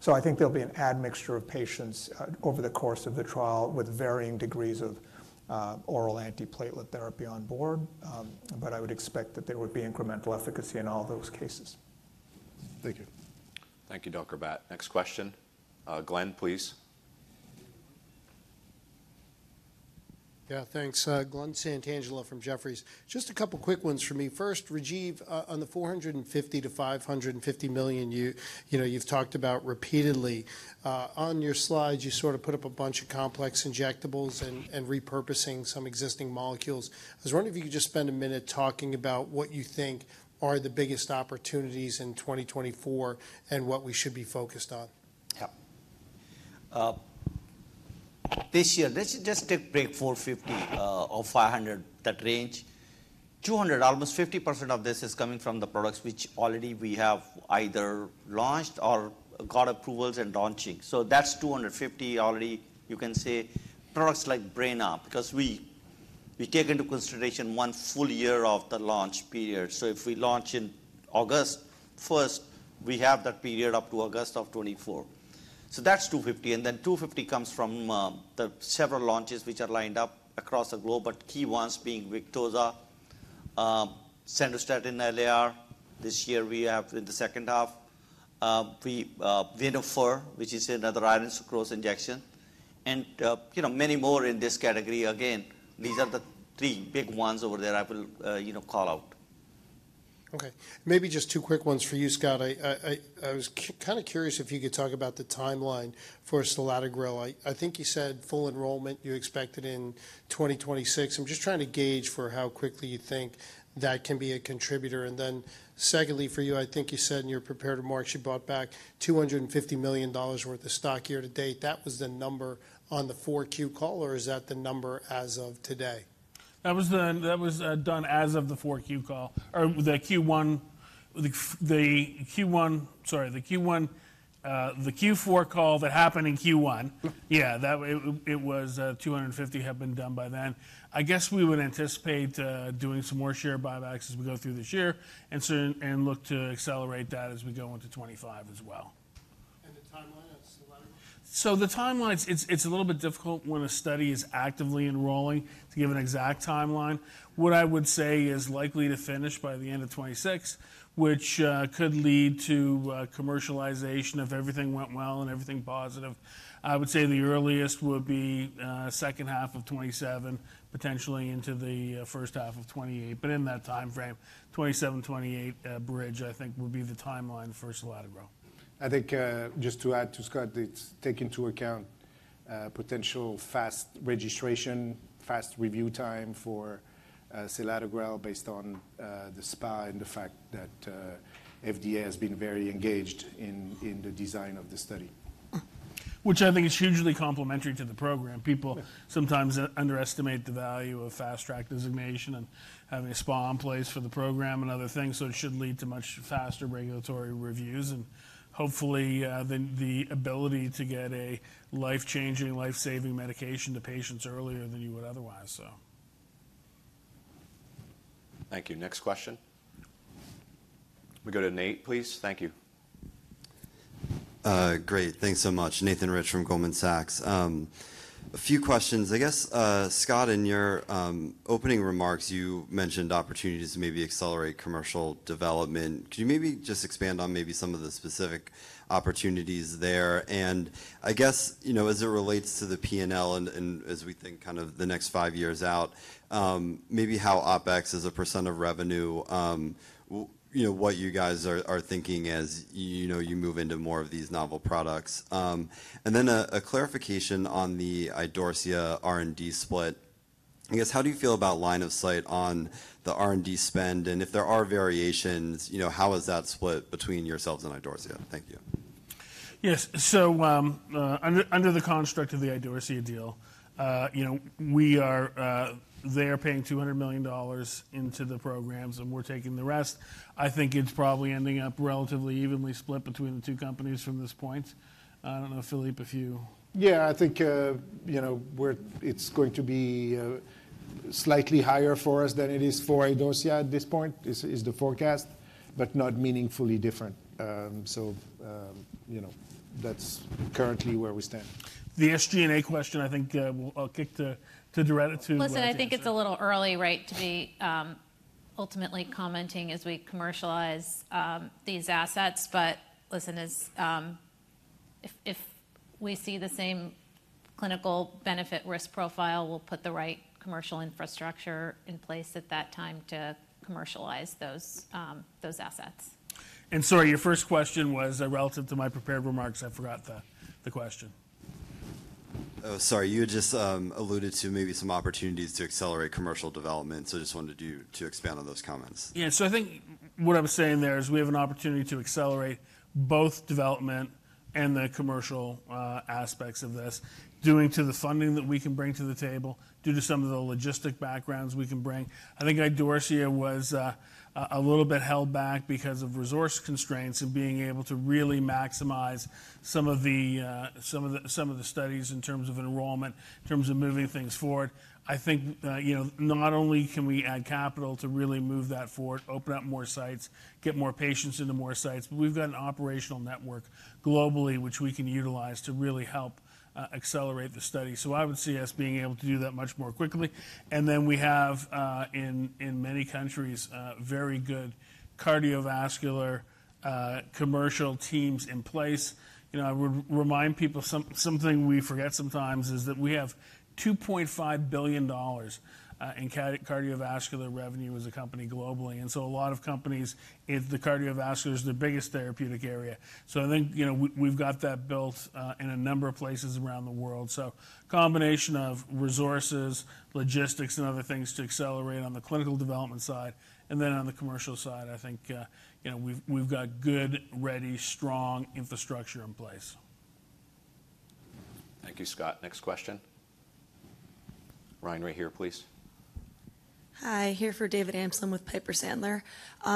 So I think there'll be an admixture of patients over the course of the trial with varying degrees of oral antiplatelet therapy on board. But I would expect that there would be incremental efficacy in all those cases. Thank you. Thank you, Dr. Bhatt. Next question. Glen, please. Yeah, thanks. Glenn Santangelo from Jefferies. Just a couple quick ones for me. First, Rajiv, on the $450 million-$550 million you know, you've talked about repeatedly. On your slides, you sort of put up a bunch of complex injectables and repurposing some existing molecules. I was wondering if you could just spend a minute talking about what you think are the biggest opportunities in 2024 and what we should be focused on. Yeah. This year, let's just take $450-$500, that range. 200, almost 50% of this is coming from the products which already we have either launched or got approvals and launching. So that's 250 already. You can say products like Breyna, because we, we take into consideration one full year of the launch period. So if we launch in August first, we have that period up to August of 2024. So that's 250, and then 250 comes from the several launches which are lined up across the globe, but key ones being Victoza, Sandostatin LAR. This year, we have in the second half, we, Venofer, which is another iron sucrose injection, and, you know, many more in this category. Again, these are the three big ones over there I will, you know, call out. Okay. Maybe just two quick ones for you, Scott. I was kind of curious if you could talk about the timeline for selatogrel. I think you said full enrollment, you expected in 2026. I'm just trying to gauge for how quickly you think that can be a contributor. And then secondly, for you, I think you said in your prepared remarks, you bought back $250 million worth of stock year to date. That was the number on the 4Q call, or is that the number as of today? That was done as of the Q4 call that happened in Q1. Yeah, that way it was, 250 had been done by then. I guess we would anticipate doing some more share buybacks as we go through this year, and look to accelerate that as we go into 2025 as well. The timeline on selatogrel? So the timelines, it's a little bit difficult when a study is actively enrolling to give an exact timeline. What I would say is likely to finish by the end of 2026, which could lead to commercialization if everything went well and everything positive. I would say the earliest would be second half of 2027, potentially into the first half of 2028. But in that timeframe, 2027, 2028, bridge, I think, would be the timeline for selatogrel. I think, just to add to Scott, it takes into account potential fast registration, fast review time for selatogrel based on the SPA and the fact that the FDA has been very engaged in the design of the study. Which I think is hugely complementary to the program. Yeah. People sometimes underestimate the value of fast-track designation and having a SPA in place for the program and other things, so it should lead to much faster regulatory reviews, and hopefully, the ability to get a life-changing, life-saving medication to patients earlier than you would otherwise, so. Thank you. Next question. We go to Nate, please. Thank you. Great. Thanks so much. Nathan Rich from Goldman Sachs. A few questions. I guess, Scott, in your opening remarks, you mentioned opportunities to maybe accelerate commercial development. Could you maybe just expand on maybe some of the specific opportunities there? And I guess, you know, as it relates to the P&L and, and as we think kind of the next five years out, maybe how OpEx as a % of revenue, you know, what you guys are thinking as, you know, you move into more of these novel products. And then a clarification on the Idorsia R&D split. I guess, how do you feel about line of sight on the R&D spend? And if there are variations, you know, how is that split between yourselves and Idorsia? Thank you. Yes. So, under the construct of the Idorsia deal, you know, we are, they are paying $200 million into the programs, and we're taking the rest. I think it's probably ending up relatively evenly split between the two companies from this point. I don't know, Philippe, if you- Yeah, I think, you know, it's going to be slightly higher for us than it is for Idorsia at this point, is the forecast, but not meaningfully different. You know, that's currently where we stand. The SG&A question, I think, I'll kick to Doretta to- Listen, I think it's a little early, right, to be ultimately commenting as we commercialize, these assets. But listen, as if we see the same clinical benefit risk profile, we'll put the right commercial infrastructure in place at that time to commercialize those, those assets. And sorry, your first question was relative to my prepared remarks. I forgot the question. Oh, sorry. You had just alluded to maybe some opportunities to accelerate commercial development, so I just wanted you to expand on those comments. Yeah. So I think what I was saying there is we have an opportunity to accelerate both development and the commercial aspects of this, due to the funding that we can bring to the table, due to some of the logistic backgrounds we can bring. I think Idorsia was a little bit held back because of resource constraints and being able to really maximize some of the studies in terms of enrollment, in terms of moving things forward. I think, you know, not only can we add capital to really move that forward, open up more sites, get more patients into more sites, but we've got an operational network globally, which we can utilize to really help accelerate the study. So I would see us being able to do that much more quickly. We have in many countries very good cardiovascular commercial teams in place. You know, I would remind people something we forget sometimes is that we have $2.5 billion in cardiovascular revenue as a company globally, and so a lot of companies if the cardiovascular is their biggest therapeutic area. I think, you know, we, we've got that built in a number of places around the world. Combination of resources, logistics, and other things to accelerate on the clinical development side, and then on the commercial side, I think, you know, we've, we've got good, ready, strong infrastructure in place. Thank you, Scott. Next question. Ryan, right here, please. Hi, here for David Amsellem with Piper Sandler.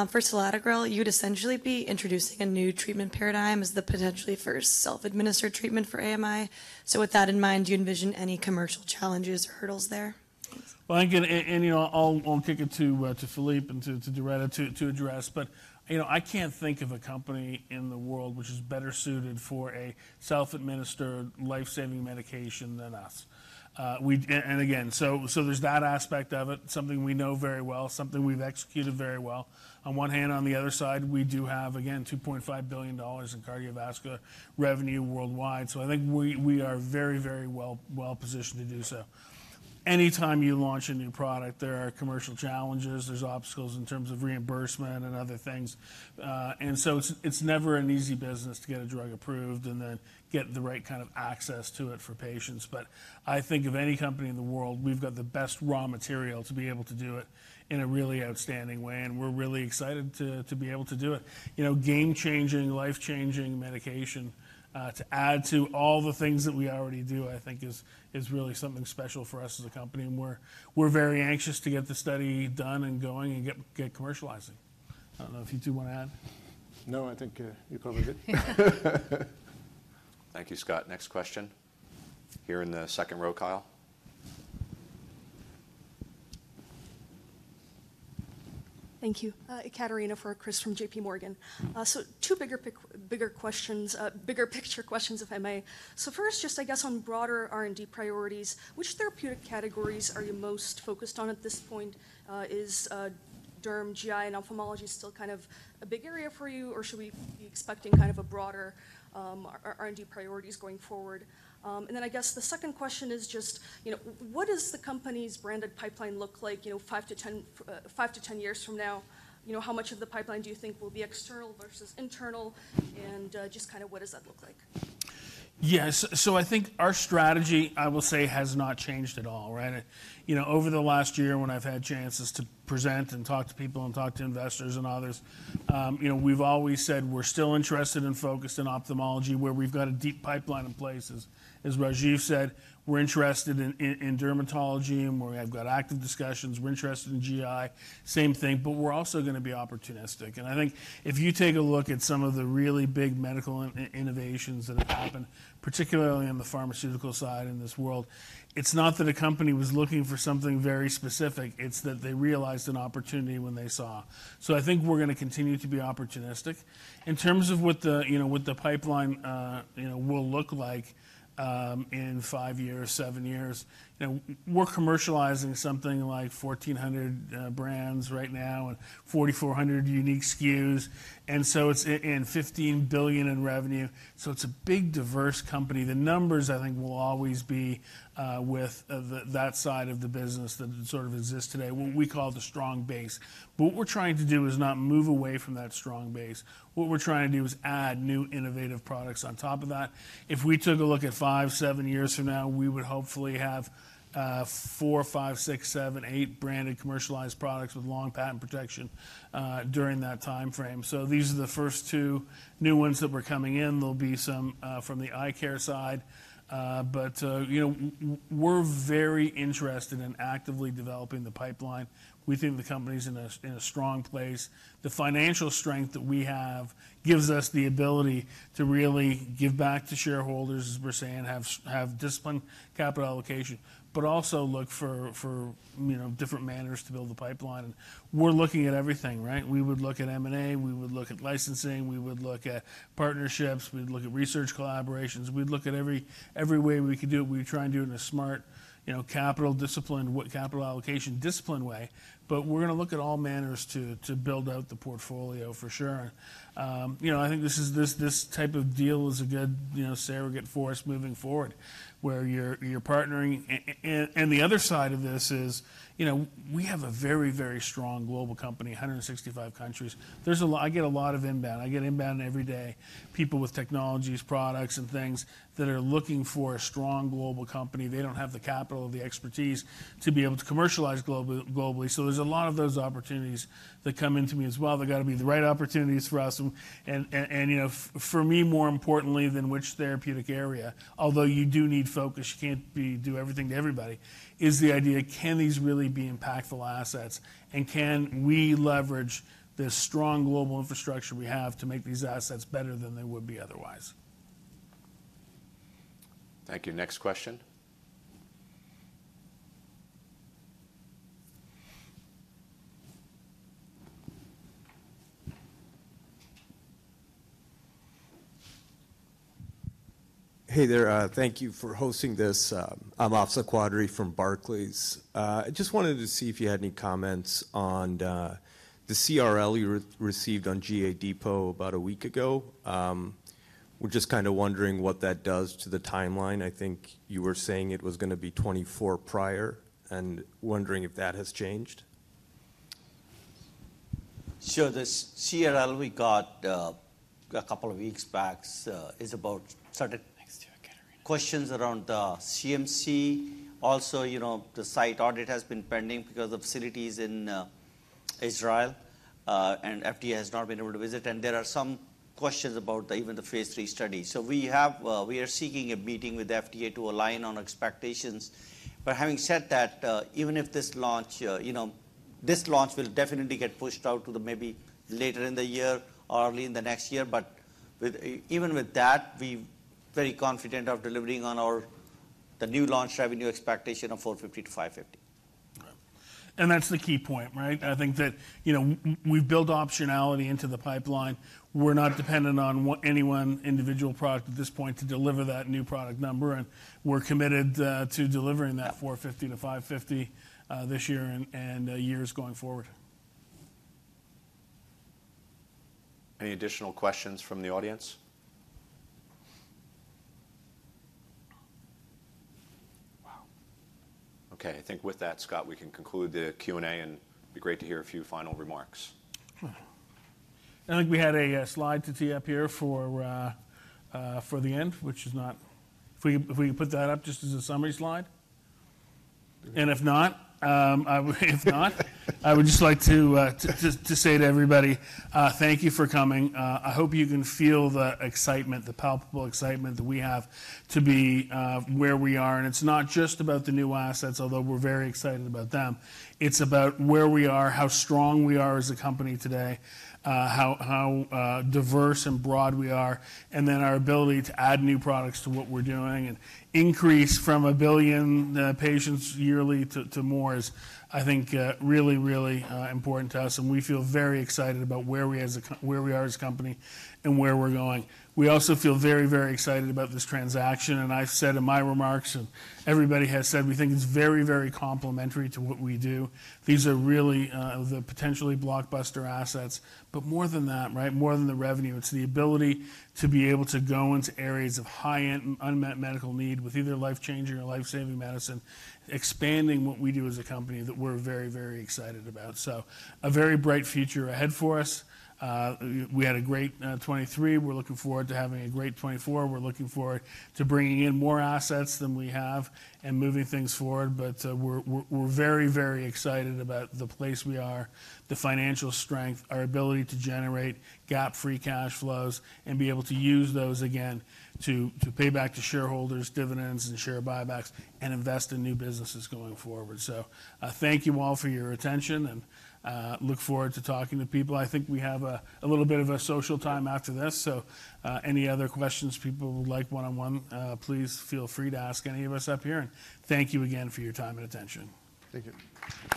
For selatogrel, you'd essentially be introducing a new treatment paradigm as the potentially first self-administered treatment for AMI. So with that in mind, do you envision any commercial challenges or hurdles there? Well, again, you know, I'll kick it to Philippe and to Doretta to address. But, you know, I can't think of a company in the world which is better suited for a self-administered, life-saving medication than us. And again, there's that aspect of it, something we know very well, something we've executed very well. On one hand, on the other side, we do have, again, $2.5 billion in cardiovascular revenue worldwide, so I think we are very well-positioned to do so. Anytime you launch a new product, there are commercial challenges, there's obstacles in terms of reimbursement and other things. And so it's never an easy business to get a drug approved and then get the right kind of access to it for patients. But I think of any company in the world, we've got the best raw material to be able to do it in a really outstanding way, and we're really excited to be able to do it. You know, game-changing, life-changing medication to add to all the things that we already do, I think is really something special for us as a company, and we're very anxious to get the study done and going and get commercializing. I don't know if you two want to add? No, I think, you covered it. Thank you, Scott. Next question. Here in the second row, Kyle. Thank you. Katerina for Chris from JP Morgan. So two bigger picture questions, if I may. So first, just I guess on broader R&D priorities, which therapeutic categories are you most focused on at this point? Is derm, GI, and ophthalmology still kind of a big area for you, or should we be expecting kind of a broader R&D priorities going forward? And then I guess the second question is just, you know, what does the company's branded pipeline look like, you know, 5-10, 5-10 years from now? You know, how much of the pipeline do you think will be external versus internal? And, just kind of what does that look like? Yeah, so I think our strategy, I will say, has not changed at all, right? You know, over the last year, when I've had chances to present and talk to people and talk to investors and others, you know, we've always said we're still interested and focused in ophthalmology, where we've got a deep pipeline in place. As Rajiv said, we're interested in dermatology and where we have got active discussions. We're interested in GI, same thing, but we're also going to be opportunistic. And I think if you take a look at some of the really big medical innovations that have happened, particularly on the pharmaceutical side in this world, it's not that a company was looking for something very specific, it's that they realized an opportunity when they saw. So I think we're going to continue to be opportunistic. In terms of what the, you know, what the pipeline, you know, will look like, in five years, seven years, you know, we're commercializing something like 1,400 brands right now and 4,400 unique SKUs, and so it's and $15 billion in revenue. So it's a big, diverse company. The numbers, I think, will always be, with the, that side of the business that sort of exists today, what we call the strong base. But what we're trying to do is not move away from that strong base. What we're trying to do is add new, innovative products on top of that. If we took a look at 5, seven years from now, we would hopefully have, 4, 5, 6, 7, 8 branded commercialized products with long patent protection, during that time frame. So these are the first two new ones that were coming in. There'll be some from the eye care side, but you know, we're very interested in actively developing the pipeline. We think the company's in a strong place. The financial strength that we have gives us the ability to really give back to shareholders, as we're saying, have disciplined capital allocation, but also look for, you know, different manners to build the pipeline. We're looking at everything, right? We would look at M&A, we would look at licensing, we would look at partnerships, we'd look at research collaborations, we'd look at every way we could do it. We try and do it in a smart, you know, capital discipline, with capital allocation discipline way. But we're going to look at all manners to build out the portfolio for sure. You know, I think this type of deal is a good, you know, surrogate for us moving forward, where you're partnering. And the other side of this is, you know, we have a very, very strong global company, 165 countries. There's a lot, I get a lot of inbound. I get inbound every day. People with technologies, products, and things that are looking for a strong global company. They don't have the capital or the expertise to be able to commercialize globally. So there's a lot of those opportunities that come into me as well. They've got to be the right opportunities for us, and you know, for me, more importantly than which therapeutic area, although you do need focus, you can't do everything to everybody, is the idea: Can these really be impactful assets, and can we leverage this strong global infrastructure we have to make these assets better than they would be otherwise? Thank you. Next question? Hey there, thank you for hosting this. I'm Afsah Quadri from Barclays. I just wanted to see if you had any comments on the CRL you received on GA Depot about a week ago. We're just kind of wondering what that does to the timeline. I think you were saying it was gonna be 24 prior, and wondering if that has changed. The CRL we got, a couple of weeks back, is about certain characterization questions around CMC. Also, you know, the site audit has been pending because of facilities in Israel, and FDA has not been able to visit, and there are some questions about even the phase III study. So we have, we are seeking a meeting with the FDA to align on expectations. But having said that, even if this launch, you know, this launch will definitely get pushed out to maybe later in the year or early in the next year. But with even with that, we're very confident of delivering on our the new launch revenue expectation of $450 million-$550 million. Right. That's the key point, right? I think that, you know, we've built optionality into the pipeline. We're not dependent on what any one individual product at this point to deliver that new product number, and we're committed to delivering that $450-$550 this year and years going forward. Any additional questions from the audience? Wow! Okay, I think with that, Scott, we can conclude the Q&A, and it'd be great to hear a few final remarks. Well, I think we had a slide to tee up here for the end, which is not If we put that up just as a summary slide. And if not, I would just like to say to everybody, thank you for coming. I hope you can feel the excitement, the palpable excitement that we have to be where we are. And it's not just about the new assets, although we're very excited about them. It's about where we are, how strong we are as a company today, how diverse and broad we are, and then our ability to add new products to what we're doing and increase from 1 billion patients yearly to more is, I think, really important to us, and we feel very excited about where we are as a company and where we're going. We also feel very excited about this transaction, and I've said in my remarks, and everybody has said we think it's very complementary to what we do. These are really the potentially blockbuster assets. But more than that, right, more than the revenue, it's the ability to be able to go into areas of high and unmet medical need with either life-changing or life-saving medicine, expanding what we do as a company that we're very, very excited about. So a very bright future ahead for us. We had a great 2023. We're looking forward to having a great 2024. We're looking forward to bringing in more assets than we have and moving things forward. But, we're very, very excited about the place we are, the financial strength, our ability to generate GAAP free cash flows and be able to use those again to pay back to shareholders, dividends, and share buybacks and invest in new businesses going forward. So, thank you all for your attention and look forward to talking to people. I think we have a little bit of a social time after this, so any other questions people would like one-on-one, please feel free to ask any of us up here, and thank you again for your time and attention. Thank you.